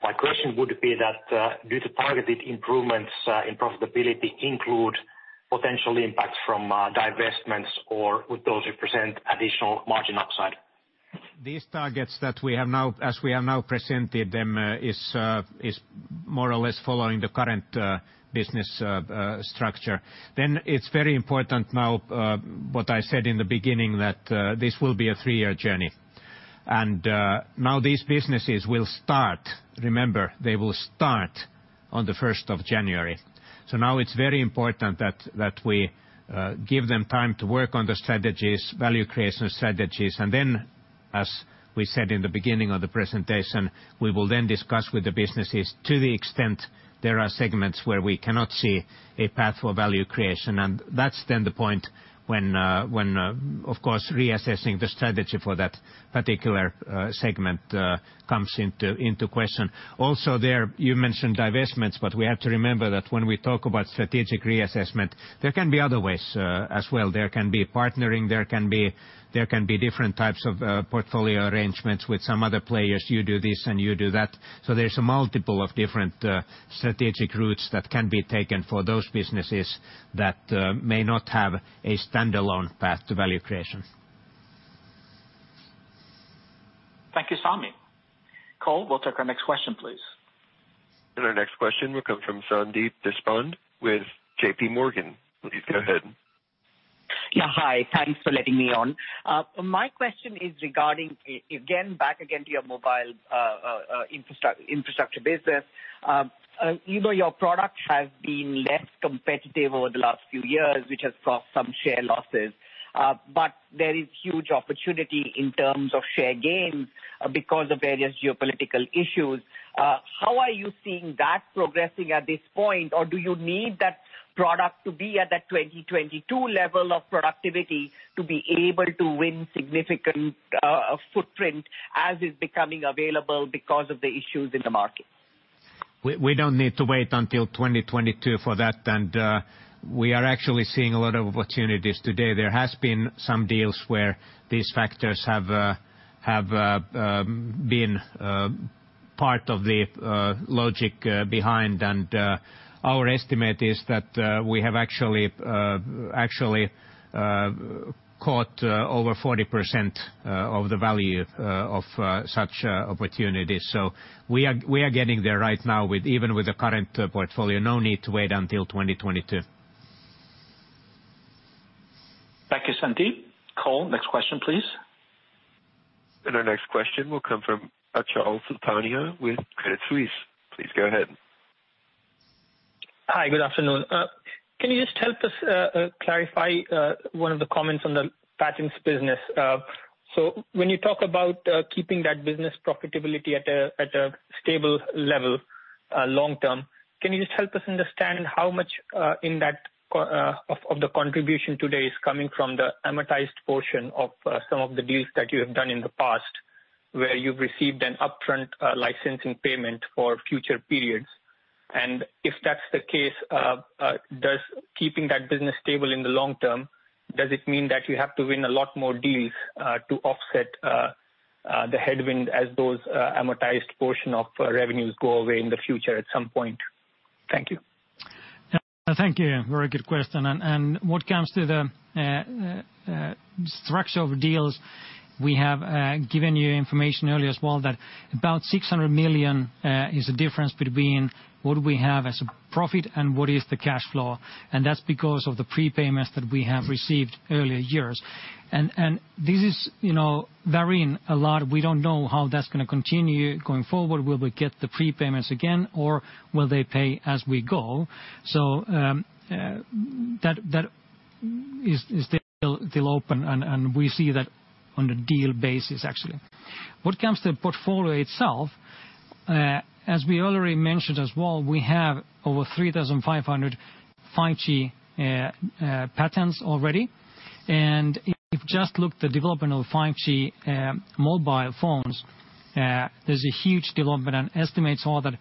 My question would be that do the targeted improvements in profitability include potential impact from divestments, or would those represent additional margin upside? These targets that we have now, as we have now presented them, is more or less following the current business structure. It's very important now, what I said in the beginning, that this will be a three-year journey. Now these businesses will start, remember, they will start on the 1st of January. Now it's very important that we give them time to work on the strategies, value creation strategies, and then as we said in the beginning of the presentation, we will then discuss with the businesses to the extent there are segments where we cannot see a path for value creation. That's then the point when, of course, reassessing the strategy for that particular segment comes into question. Also there, you mentioned divestments, but we have to remember that when we talk about strategic reassessment, there can be other ways as well. There can be partnering, there can be different types of portfolio arrangements with some other players. You do this, and you do that. There's a multiple of different strategic routes that can be taken for those businesses that may not have a standalone path to value creation. Sami. Cole, we'll take our next question, please. Our next question will come from Sandeep Deshpande with JPMorgan. Please go ahead. Yeah. Hi. Thanks for letting me on. My question is regarding, again, back again to your mobile infrastructure business. Your product has been less competitive over the last few years, which has caused some share losses. There is huge opportunity in terms of share gains because of various geopolitical issues. How are you seeing that progressing at this point? Do you need that product to be at that 2022 level of productivity to be able to win significant footprint as is becoming available because of the issues in the market? We don't need to wait until 2022 for that. We are actually seeing a lot of opportunities today. There has been some deals where these factors have been part of the logic behind. Our estimate is that we have actually caught over 40% of the value of such opportunities. We are getting there right now even with the current portfolio. No need to wait until 2022. Thank you, Sandeep. Cole, next question, please. Our next question will come from Achal Sultania with Credit Suisse. Please go ahead. Hi, good afternoon. Can you just help us clarify one of the comments on the patents business? When you talk about keeping that business profitability at a stable level long-term, can you just help us understand how much of the contribution today is coming from the amortized portion of some of the deals that you have done in the past, where you've received an upfront licensing payment for future periods? If that's the case, does keeping that business stable in the long term, does it mean that you have to win a lot more deals to offset the headwind as those amortized portion of revenues go away in the future at some point? Thank you. Thank you. Very good question. What comes to the structure of deals, we have given you information earlier as well that about 600 million is the difference between what we have as a profit and what is the cash flow. That's because of the prepayments that we have received earlier years. This is varying a lot. We don't know how that's going to continue going forward. Will we get the prepayments again? Will they pay as we go? That is still open, and we see that on a deal basis, actually. What comes to the portfolio itself, as we already mentioned as well, we have over 3,500 5G patents already. If you've just looked the development of 5G mobile phones, there's a huge development and estimates are that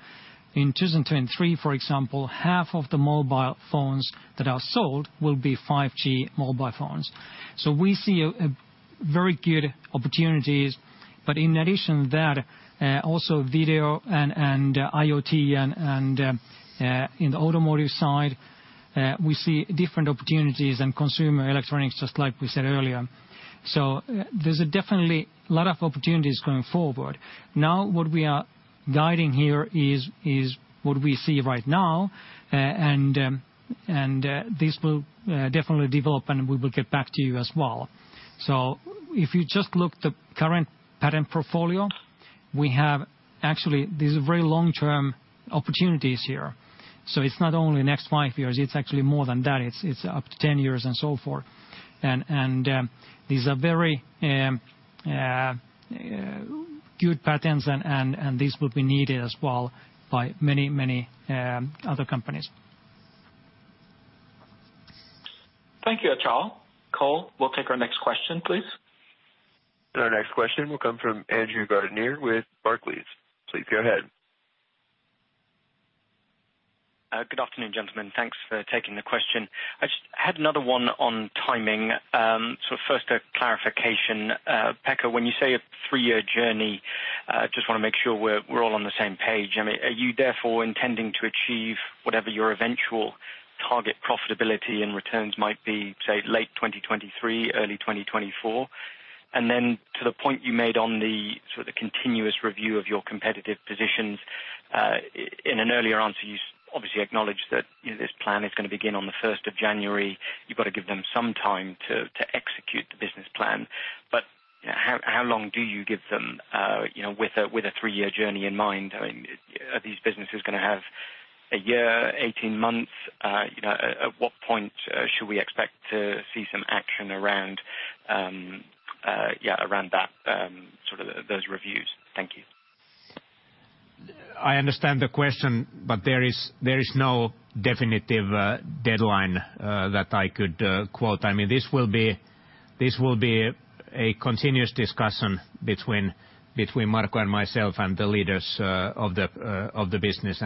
in 2023, for example, half of the mobile phones that are sold will be 5G mobile phones. We see very good opportunities. In addition to that, also video and IoT and in the automotive side, we see different opportunities and consumer electronics, just like we said earlier. There's definitely a lot of opportunities going forward. Now, what we are guiding here is what we see right now, and this will definitely develop, and we will get back to you as well. If you just look the current patent portfolio, we have actually, these are very long-term opportunities here. It's not only next five years, it's actually more than that. It's up to 10 years and so forth. These are very good patents, and these will be needed as well by many other companies. Thank you, Achal. Cole, we'll take our next question, please. Our next question will come from Andrew Gardiner with Barclays. Please go ahead. Good afternoon, gentlemen. Thanks for taking the question. I just had another one on timing. First, a clarification. Pekka, when you say a three-year journey, I just want to make sure we're all on the same page. Are you therefore intending to achieve whatever your eventual target profitability and returns might be, say, late 2023, early 2024? Then to the point you made on the continuous review of your competitive positions, in an earlier answer, you obviously acknowledged that this plan is going to begin on the 1st of January. You've got to give them some time to execute the business plan. How long do you give them with a three-year journey in mind? Are these businesses going to have a year, 18 months? At what point should we expect to see some action around that, those reviews? Thank you. I understand the question, there is no definitive deadline that I could quote. This will be a continuous discussion between Marco and myself and the leaders of the business.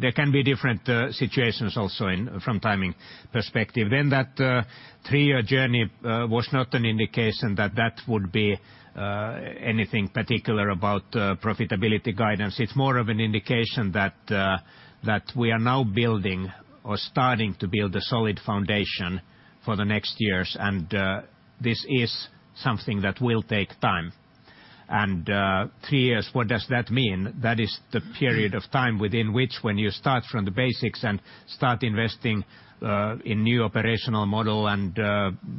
There can be different situations also from timing perspective. That three-year journey was not an indication that that would be anything particular about profitability guidance. It's more of an indication that we are now building or starting to build a solid foundation for the next years. This is something that will take time. Three years, what does that mean? That is the period of time within which when you start from the basics and start investing in new operational model and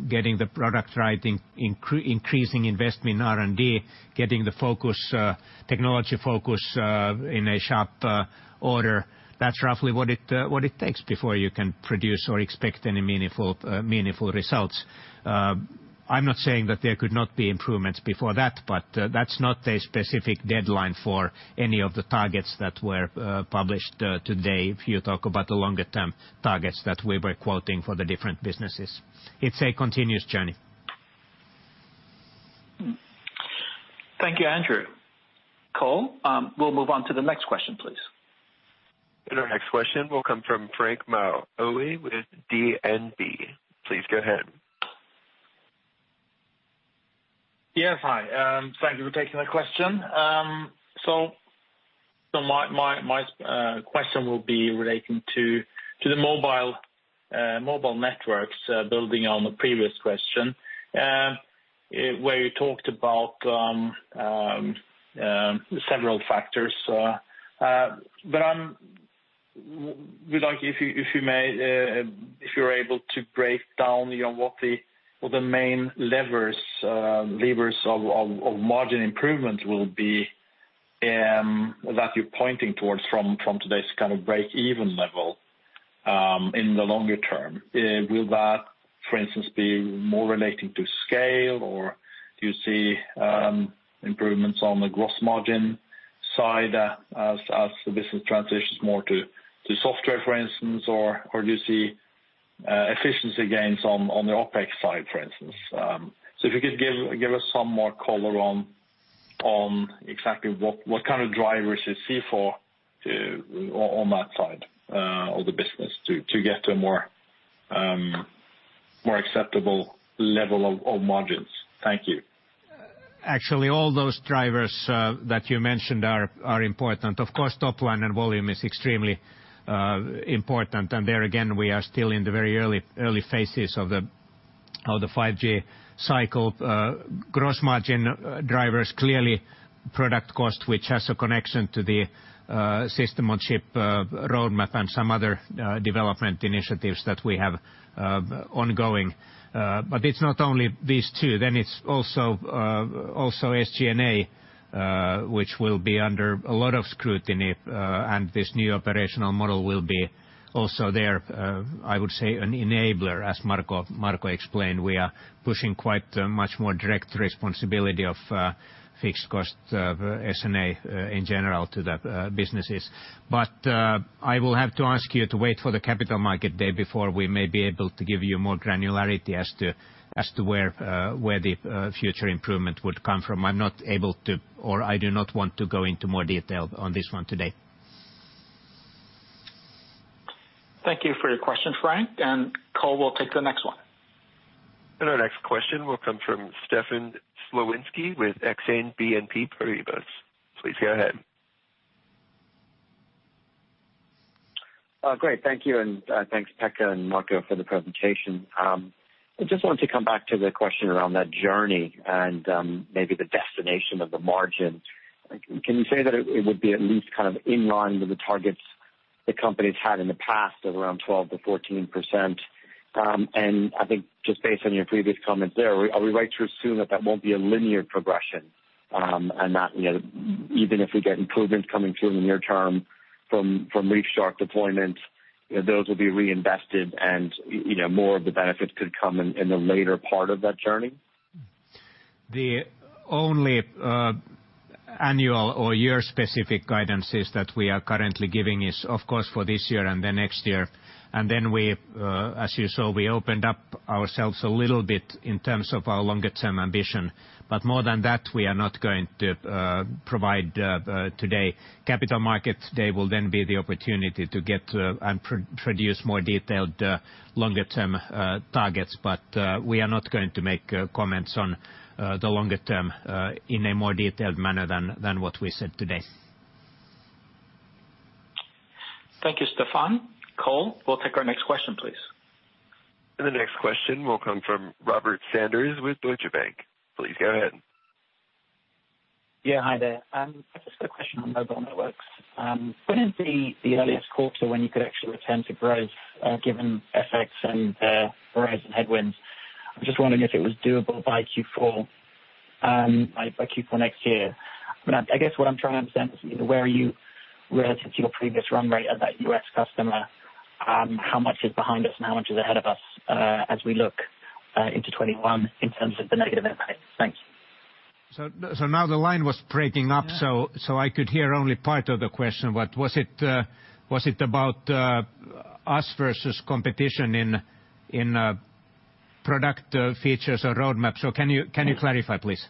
getting the product right, increasing investment in R&D, getting the technology focus in a sharp order. That's roughly what it takes before you can produce or expect any meaningful results. I'm not saying that there could not be improvements before that, but that's not a specific deadline for any of the targets that were published today, if you talk about the longer term targets that we were quoting for the different businesses. It's a continuous journey. Thank you, Andrew. Cole, we'll move on to the next question, please. Our next question will come from Francois Meunier with DNB. Please go ahead. Yes, hi. Thank you for taking the question. My question will be relating to the Mobile Networks, building on the previous question, where you talked about several factors. If you're able to break down what the main levers of margin improvement will be that you're pointing towards from today's kind of break-even level in the longer term. Will that, for instance, be more relating to scale, or do you see improvements on the gross margin side as the business transitions more to software, for instance? Do you see efficiency gains on the OpEx side, for instance? If you could give us some more color on exactly what kind of drivers you see on that side of the business to get to a more acceptable level of margins. Thank you. Actually, all those drivers that you mentioned are important. Of course, top line and volume is extremely important. There again, we are still in the very early phases of the 5G cycle. Gross margin drivers, clearly product cost, which has a connection to the System on a chip roadmap and some other development initiatives that we have ongoing. It's not only these two, then it's also SG&A which will be under a lot of scrutiny, and this new operational model will be also there, I would say, an enabler, as Marco explained. We are pushing quite much more direct responsibility of fixed cost SG&A in general to the businesses. I will have to ask you to wait for the Capital Markets Day before we may be able to give you more granularity as to where the future improvement would come from. I'm not able to, or I do not want to go into more detail on this one today. Thank you for your question, Frank. Cole, we'll take the next one. Our next question will come from Stefan Slowinski with Exane BNP Paribas. Please go ahead. Great. Thank you, and thanks, Pekka and Marco for the presentation. I just want to come back to the question around that journey and maybe the destination of the margin. Can you say that it would be at least kind of in line with the targets the company's had in the past of around 12%-14%? I think just based on your previous comment there, are we right to assume that that won't be a linear progression, and that even if we get improvements coming through in the near term from ReefShark deployment, those will be reinvested and more of the benefits could come in the later part of that journey? The only annual or year-specific guidances that we are currently giving is, of course, for this year and the next year. As you saw, we opened up ourselves a little bit in terms of our longer-term ambition. More than that, we are not going to provide today. Capital Markets Day will then be the opportunity to get and produce more detailed longer-term targets. We are not going to make comments on the longer term in a more detailed manner than what we said today. Thank you, Stefan. Cole, we will take our next question, please. The next question will come from Robert Sanders with Deutsche Bank. Please go ahead. Yeah, hi there. I've just got a question on Mobile Networks. When is the earliest quarter when you could actually return to growth given FX and Verizon headwinds? I'm just wondering if it was doable by Q4 next year. I guess what I'm trying to understand is where are you relative to your previous run rate of that U.S. customer? How much is behind us and how much is ahead of us as we look into 2021 in terms of the negative impact? Thanks. Now the line was breaking up, so I could hear only part of the question. Was it about us versus competition in product features or roadmap? Can you clarify, please?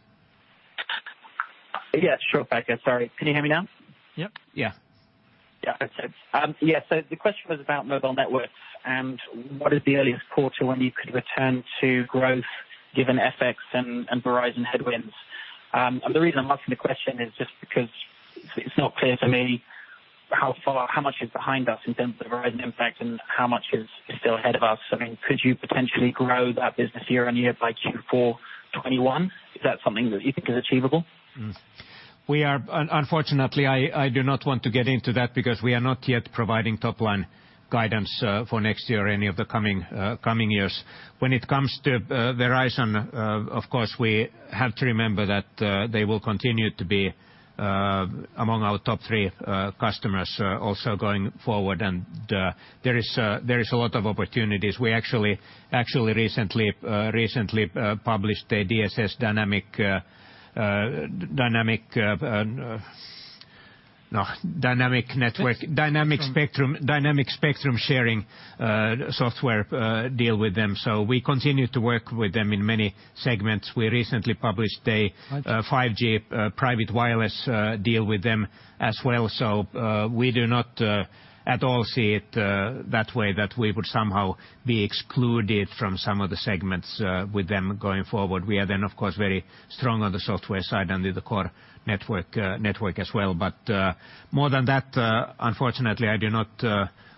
Yeah, sure, Pekka. Sorry. Can you hear me now? Yep. Yeah. Yeah. Okay. The question was about Mobile Networks and what is the earliest quarter when you could return to growth given FX and Verizon headwinds. The reason I am asking the question is just because it is not clear to me how much is behind us in terms of Verizon impact and how much is still ahead of us? Could you potentially grow that business year-on-year by Q4 2021? Is that something that you think is achievable? Unfortunately, I do not want to get into that because we are not yet providing top-line guidance for next year or any of the coming years. When it comes to Verizon, of course, we have to remember that they will continue to be among our top three customers also going forward. There is a lot of opportunities. We actually recently published a DSS dynamic spectrum sharing software deal with them. We continue to work with them in many segments. We recently published a 5G private wireless deal with them as well. We do not at all see it that way that we would somehow be excluded from some of the segments with them going forward. We are, of course, very strong on the software side and the core network as well. More than that, unfortunately, I do not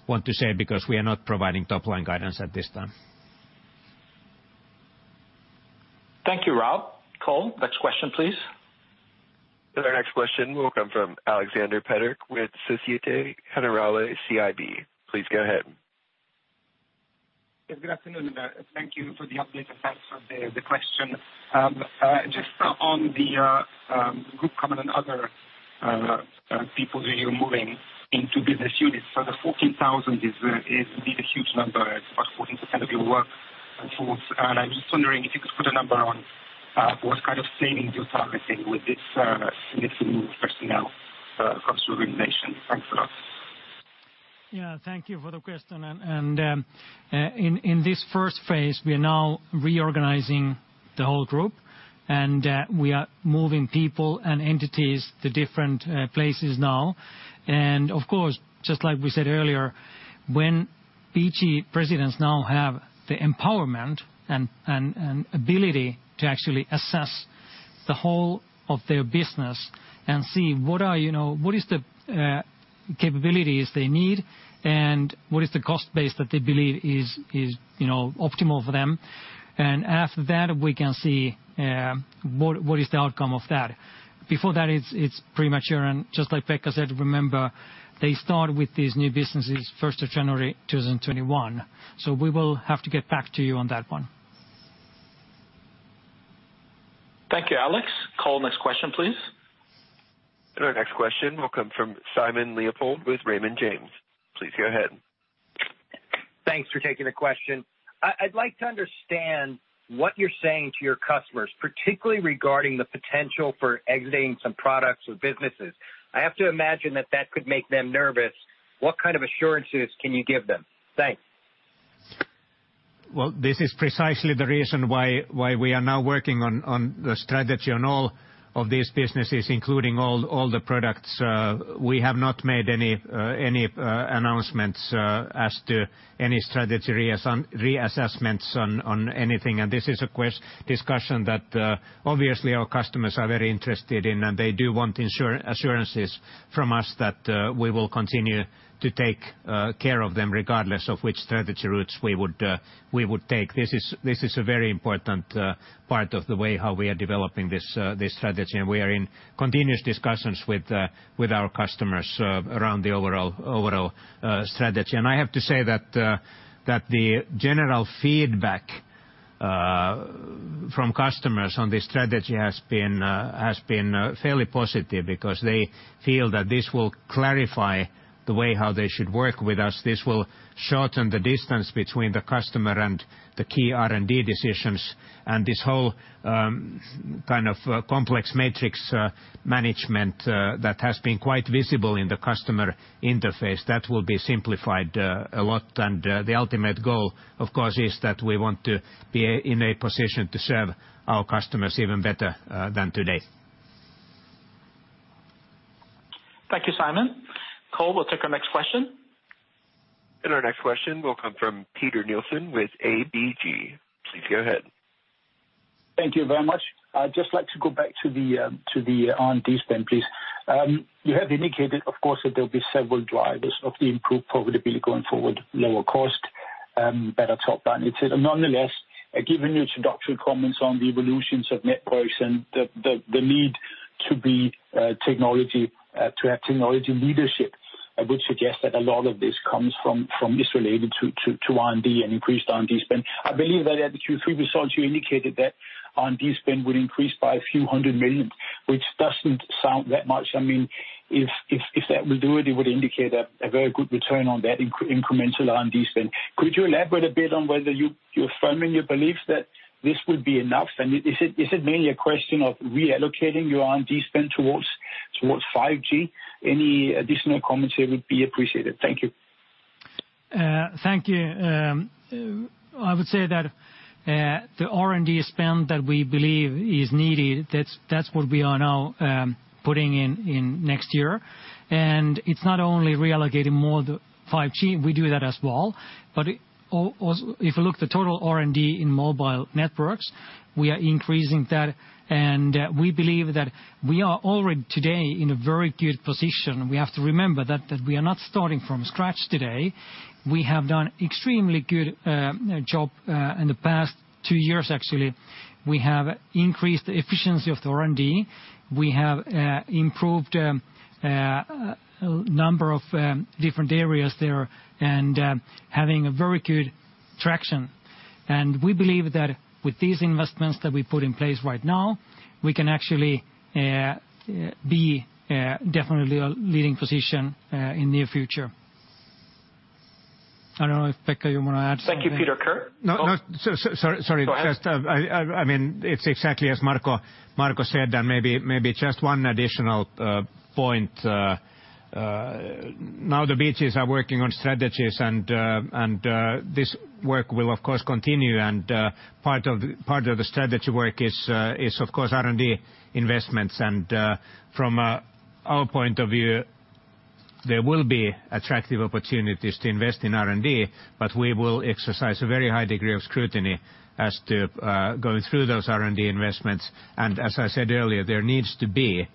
want to say because we are not providing top-line guidance at this time. Thank you, Rob. Cole, next question, please. Our next question will come from Aleksander Peterc with Societe Generale CIB. Please go ahead. Yes, good afternoon. Thank you for the update and thanks for the question. Just on the group comment on other people you're moving into business units. The 14,000 is indeed a huge number. It's about 14% of your workforce. I'm just wondering if you could put a number on what kind of savings you're targeting with this significant move of personnel across the organization. Thanks a lot. Yeah, thank you for the question. In this first phase, we are now reorganizing the whole group, and we are moving people and entities to different places now. Of course, just like we said earlier, when BG presidents now have the empowerment and ability to actually assess the whole of their business and see what is the capabilities they need and what is the cost base that they believe is optimal for them. After that, we can see what is the outcome of that. Before that, it's premature. Just like Pekka said, remember, they start with these new businesses 1st of January 2021. We will have to get back to you on that one. Thank you, Alex. Cole, next question, please. Our next question will come from Simon Leopold with Raymond James. Please go ahead. Thanks for taking the question. I'd like to understand what you're saying to your customers, particularly regarding the potential for exiting some products or businesses. I have to imagine that could make them nervous. What kind of assurances can you give them? Thanks. Well, this is precisely the reason why we are now working on the strategy on all of these businesses, including all the products. We have not made any announcements as to any strategy reassessments on anything. This is a discussion that obviously our customers are very interested in, and they do want assurances from us that we will continue to take care of them regardless of which strategy routes we would take. This is a very important part of the way how we are developing this strategy. We are in continuous discussions with our customers around the overall strategy. I have to say that the general feedback from customers on this strategy has been fairly positive because they feel that this will clarify the way how they should work with us. This will shorten the distance between the customer and the key R&D decisions and this whole kind of complex matrix management that has been quite visible in the customer interface. That will be simplified a lot. The ultimate goal, of course, is that we want to be in a position to serve our customers even better than today. Thank you, Simon. Cole, we'll take our next question. Our next question will come from Peter Nielsen with ABG. Please go ahead. Thank you very much. I would just like to go back to the R&D spend, please. You have indicated, of course, that there will be several drivers of the improved profitability going forward, lower cost, better top line. Nonetheless, given your introductory comments on the evolutions of networks and the need to have technology leadership, I would suggest that a lot of this is related to R&D and increased R&D spend. I believe that at the Q3 results, you indicated that R&D spend would increase by a few hundred million, which doesn't sound that much. If that will do it would indicate a very good return on that incremental R&D spend. Could you elaborate a bit on whether you are firm in your beliefs that this would be enough? Is it mainly a question of reallocating your R&D spend towards 5G? Any additional comments here would be appreciated. Thank you. Thank you. I would say that the R&D spend that we believe is needed, that's what we are now putting in next year. It's not only reallocating more to 5G, we do that as well. If you look at the total R&D in Mobile Networks, we are increasing that, and we believe that we are already today in a very good position. We have to remember that we are not starting from scratch today. We have done extremely good job in the past two years, actually. We have increased the efficiency of the R&D. We have improved a number of different areas there and having a very good traction. We believe that with these investments that we put in place right now, we can actually be definitely a leading position in near future. I don't know if, Pekka, you want to add something? Thank you, Peter Kurt. No. Sorry. Go ahead. It's exactly as Marco said, and maybe just one additional point. Now the BGs are working on strategies, and this work will of course continue. Part of the strategy work is, of course, R&D investments. From our point of view, there will be attractive opportunities to invest in R&D, but we will exercise a very high degree of scrutiny as to going through those R&D investments. As I said earlier, there needs to be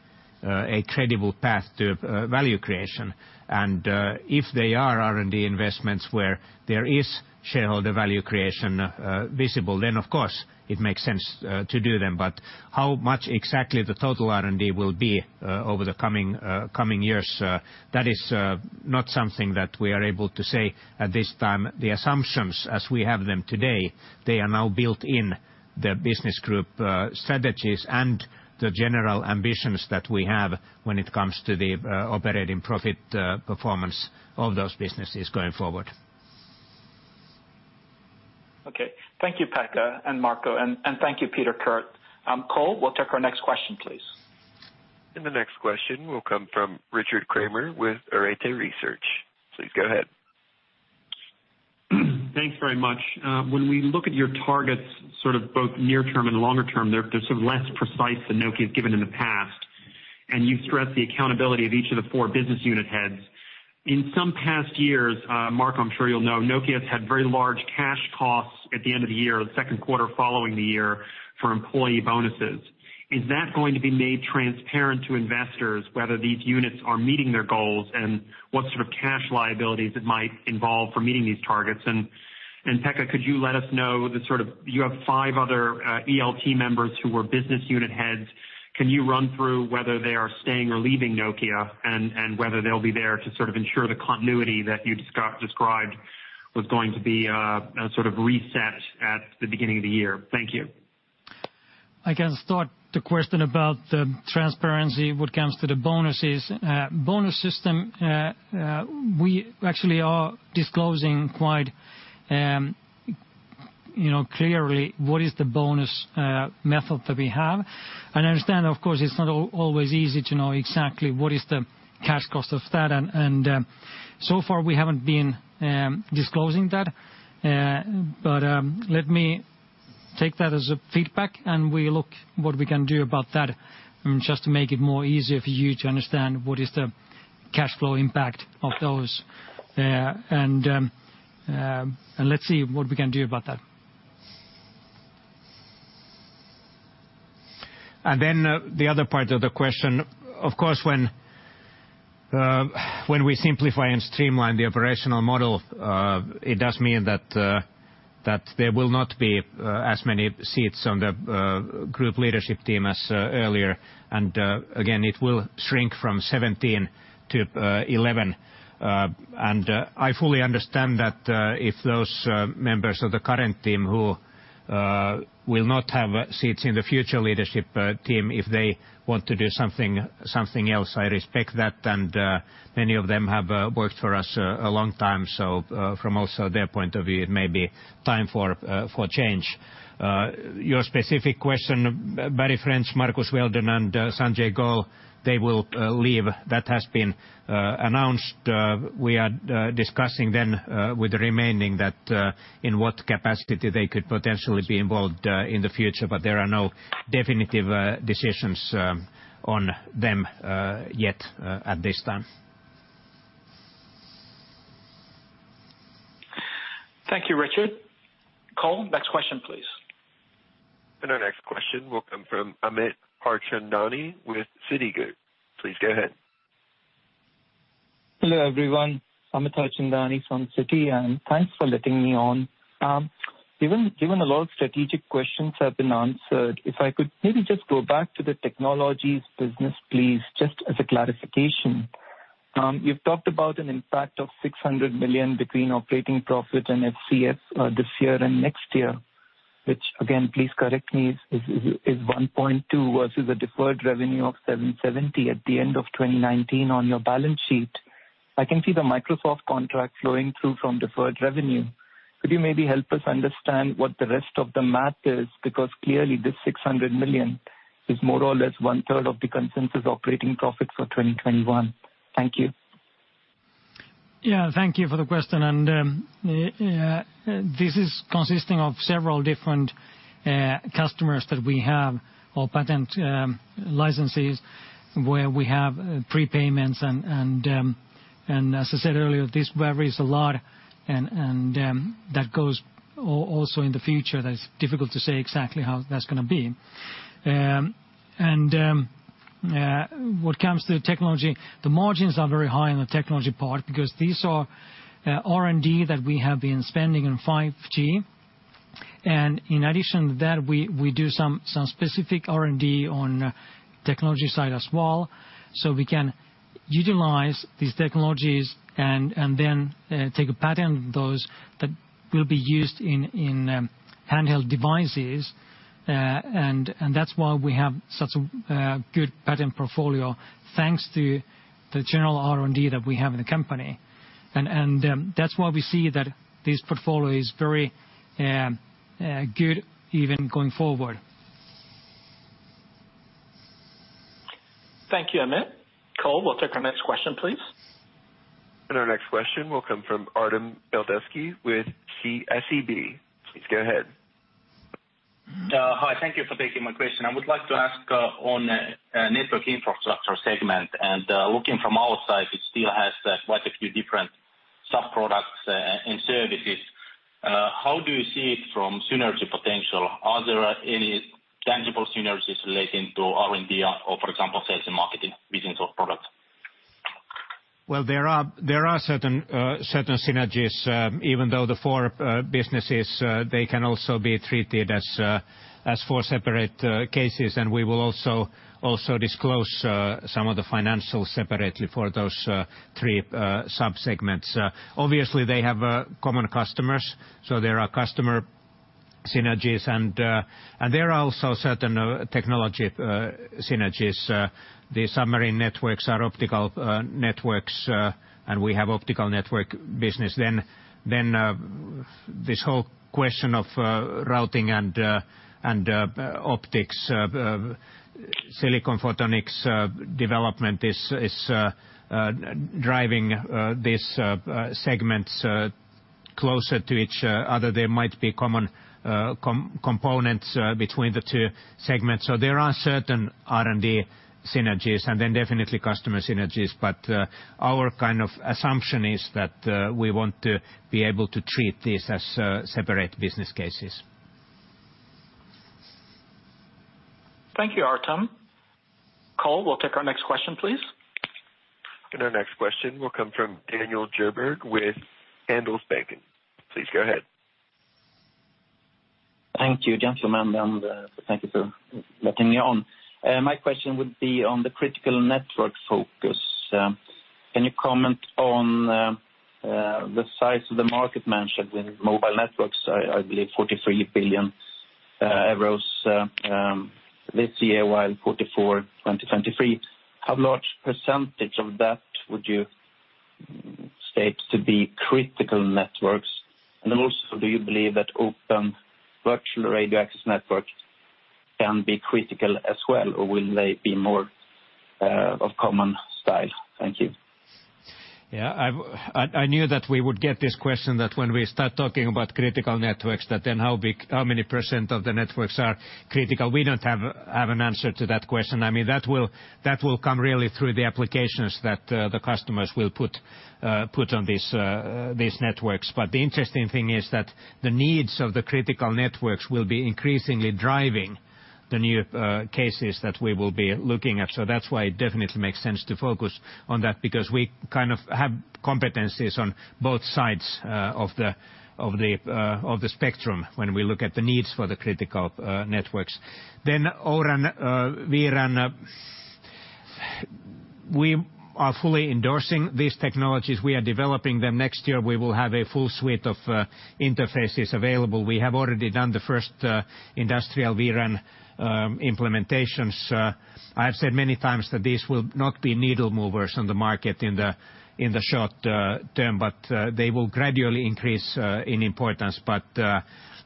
a credible path to value creation. If they are R&D investments where there is shareholder value creation visible, then of course it makes sense to do them. But how much exactly the total R&D will be over the coming years? That is not something that we are able to say at this time. The assumptions as we have them today, they are now built in the business group strategies and the general ambitions that we have when it comes to the operating profit performance of those businesses going forward. Okay. Thank you, Pekka and Marco, and thank you, Peter Kurt. Cole, we'll take our next question, please. The next question will come from Richard Kramer with Arete Research. Please go ahead. Thanks very much. When we look at your targets, both near term and longer term, they're less precise than Nokia has given in the past. You've stressed the accountability of each of the four business unit heads. In some past years, Marco, I'm sure you'll know, Nokia has had very large cash costs at the end of the year, the second quarter following the year, for employee bonuses. Is that going to be made transparent to investors, whether these units are meeting their goals and what sort of cash liabilities it might involve for meeting these targets? Pekka, could you let us know, you have five other ELT members who were business unit heads. Can you run through whether they are staying or leaving Nokia, and whether they'll be there to ensure the continuity that you described was going to be a sort of reset at the beginning of the year? Thank you. I can start the question about the transparency, what comes to the bonuses. Bonus system, we actually are disclosing quite clearly what is the bonus method that we have. I understand, of course, it's not always easy to know exactly what is the cash cost of that, and so far we haven't been disclosing that. Let me take that as a feedback and we look what we can do about that just to make it more easier for you to understand what is the cash flow impact of those. Let's see what we can do about that. Then the other part of the question. Of course, when we simplify and streamline the operational model, it does mean that there will not be as many seats on the group leadership team as earlier. Again, it will shrink from 17 to 11. I fully understand that if those members of the current team who will not have seats in the future leadership team, if they want to do something else, I respect that, and many of them have worked for us a long time. From also their point of view, it may be time for change. Your specific question, Barry French, Marcus Weldon, and Sanjiv Ahuja, they will leave. That has been announced. We are discussing then with the remaining that in what capacity they could potentially be involved in the future. There are no definitive decisions on them yet at this time. Thank you, Richard. Cole, next question, please. Our next question will come from Amit Harchandani with Citigroup. Please go ahead. Hello, everyone. Amit Harchandani from Citigroup, and thanks for letting me on. Given a lot of strategic questions have been answered, if I could maybe just go back to the Nokia Technologies business, please, just as a clarification. You've talked about an impact of 600 million between operating profit and FCF this year and next year, which again, please correct me, is 1.2 versus a deferred revenue of 770 at the end of 2019 on your balance sheet. I can see the Microsoft contract flowing through from deferred revenue. Could you maybe help us understand what the rest of the math is? Clearly this 600 million is more or less one third of the consensus operating profit for 2021. Thank you. Yeah, thank you for the question. This is consisting of several different customers that we have or patent licenses where we have prepayments and as I said earlier, this varies a lot and that goes also in the future. That is difficult to say exactly how that's going to be. What comes to technology, the margins are very high on the technology part because these are R&D that we have been spending on 5G. In addition to that, we do some specific R&D on technology side as well, so we can utilize these technologies and then take a patent of those that will be used in handheld devices. That's why we have such a good patent portfolio thanks to the general R&D that we have in the company. That's why we see that this portfolio is very good even going forward. Thank you, Amit. Cole, we'll take our next question, please. Our next question will come from Artem Beletski with SEB. Please go ahead. Hi, thank you for taking my question. I would like to ask on Network Infrastructure segment. Looking from outside, it still has quite a few different sub-products and services. How do you see it from synergy potential? Are there any tangible synergies relating to R&D or, for example, sales and marketing business or product? There are certain synergies, even though the four businesses, they can also be treated as four separate cases, and we will also disclose some of the financials separately for those three sub-segments. Obviously, they have common customers, so there are customer synergies and there are also certain technology synergies. The submarine networks are Optical Networks, and we have Optical Network business. This whole question of routing and optics, silicon photonics development is driving these segments closer to each other. There might be common components between the two segments. There are certain R&D synergies and then definitely customer synergies. Our kind of assumption is that we want to be able to treat these as separate business cases. Thank you, Artem. Cole, we'll take our next question, please. Our next question will come from Daniel Djurberg with Handelsbanken. Please go ahead. Thank you, gentlemen, and thank you for letting me on. My question would be on the critical network focus. Can you comment on the size of the market mentioned in Mobile Networks, I believe 43 billion euros this year, while 44, 2023. Also do you believe that open virtual Radio Access Networks can be critical as well or will they be more of common style? Thank you. Yeah, I knew that we would get this question, that when we start talking about critical networks, that how many % of the networks are critical. We don't have an answer to that question. That will come really through the applications that the customers will put on these networks. The interesting thing is that the needs of the critical networks will be increasingly driving the new cases that we will be looking at. That's why it definitely makes sense to focus on that, because we kind of have competencies on both sides of the spectrum when we look at the needs for the critical networks. O-RAN, vRAN, we are fully endorsing these technologies. We are developing them. Next year we will have a full suite of interfaces available. We have already done the first industrial vRAN implementations. I have said many times that these will not be needle movers on the market in the short term, but they will gradually increase in importance.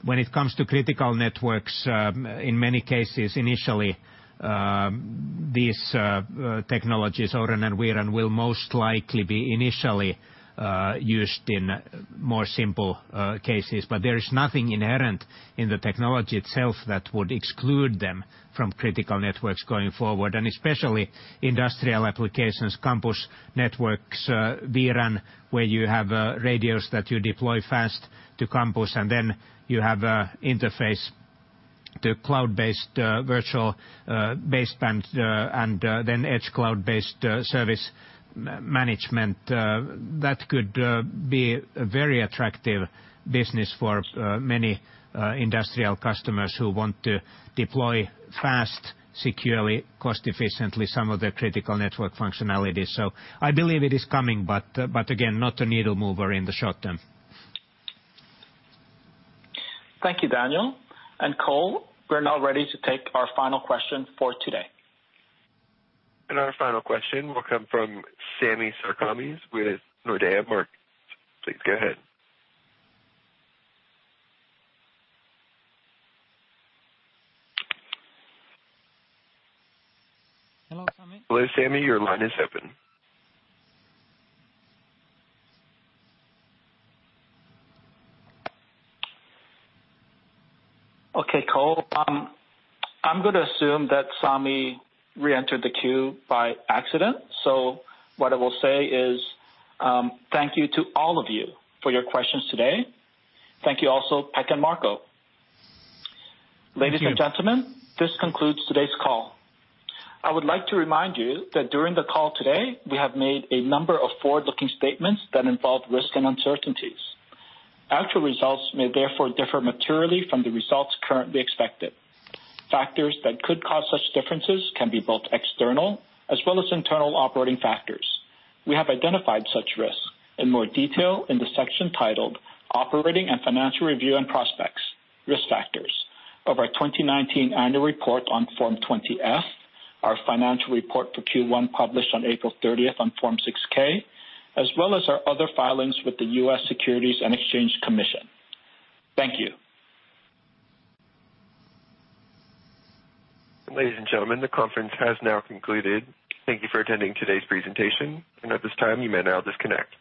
When it comes to critical networks, in many cases, initially, these technologies, O-RAN and vRAN, will most likely be initially used in more simple cases. There is nothing inherent in the technology itself that would exclude them from critical networks going forward and especially industrial applications, campus networks, vRAN, where you have radios that you deploy fast to campus and then you have an interface to cloud-based virtual baseband and then edge cloud-based service management. That could be a very attractive business for many industrial customers who want to deploy fast, securely, cost efficiently, some of the critical network functionality. I believe it is coming, but again, not a needle mover in the short term. Thank you, Daniel. Cole, we're now ready to take our final question for today. Our final question will come from Sami Sarkamies with Nordea Markets. Please go ahead. Hello, Sami? Hello, Sami. Your line is open. Okay, Cole. I'm going to assume that Sami re-entered the queue by accident. What I will say is, thank you to all of you for your questions today. Thank you also, Pekka and Marco. Thank you. Ladies and gentlemen, this concludes today's call. I would like to remind you that during the call today, we have made a number of forward-looking statements that involve risk and uncertainties. Actual results may therefore differ materially from the results currently expected. Factors that could cause such differences can be both external as well as internal operating factors. We have identified such risks in more detail in the section titled Operating and Financial Review and Prospects: Risk Factors of our 2019 annual report on Form 20-F, our financial report for Q1, published on April 30th on Form 6-K, as well as our other filings with the U.S. Securities and Exchange Commission. Thank you. Ladies and gentlemen, the conference has now concluded. Thank you for attending today's presentation, and at this time, you may now disconnect.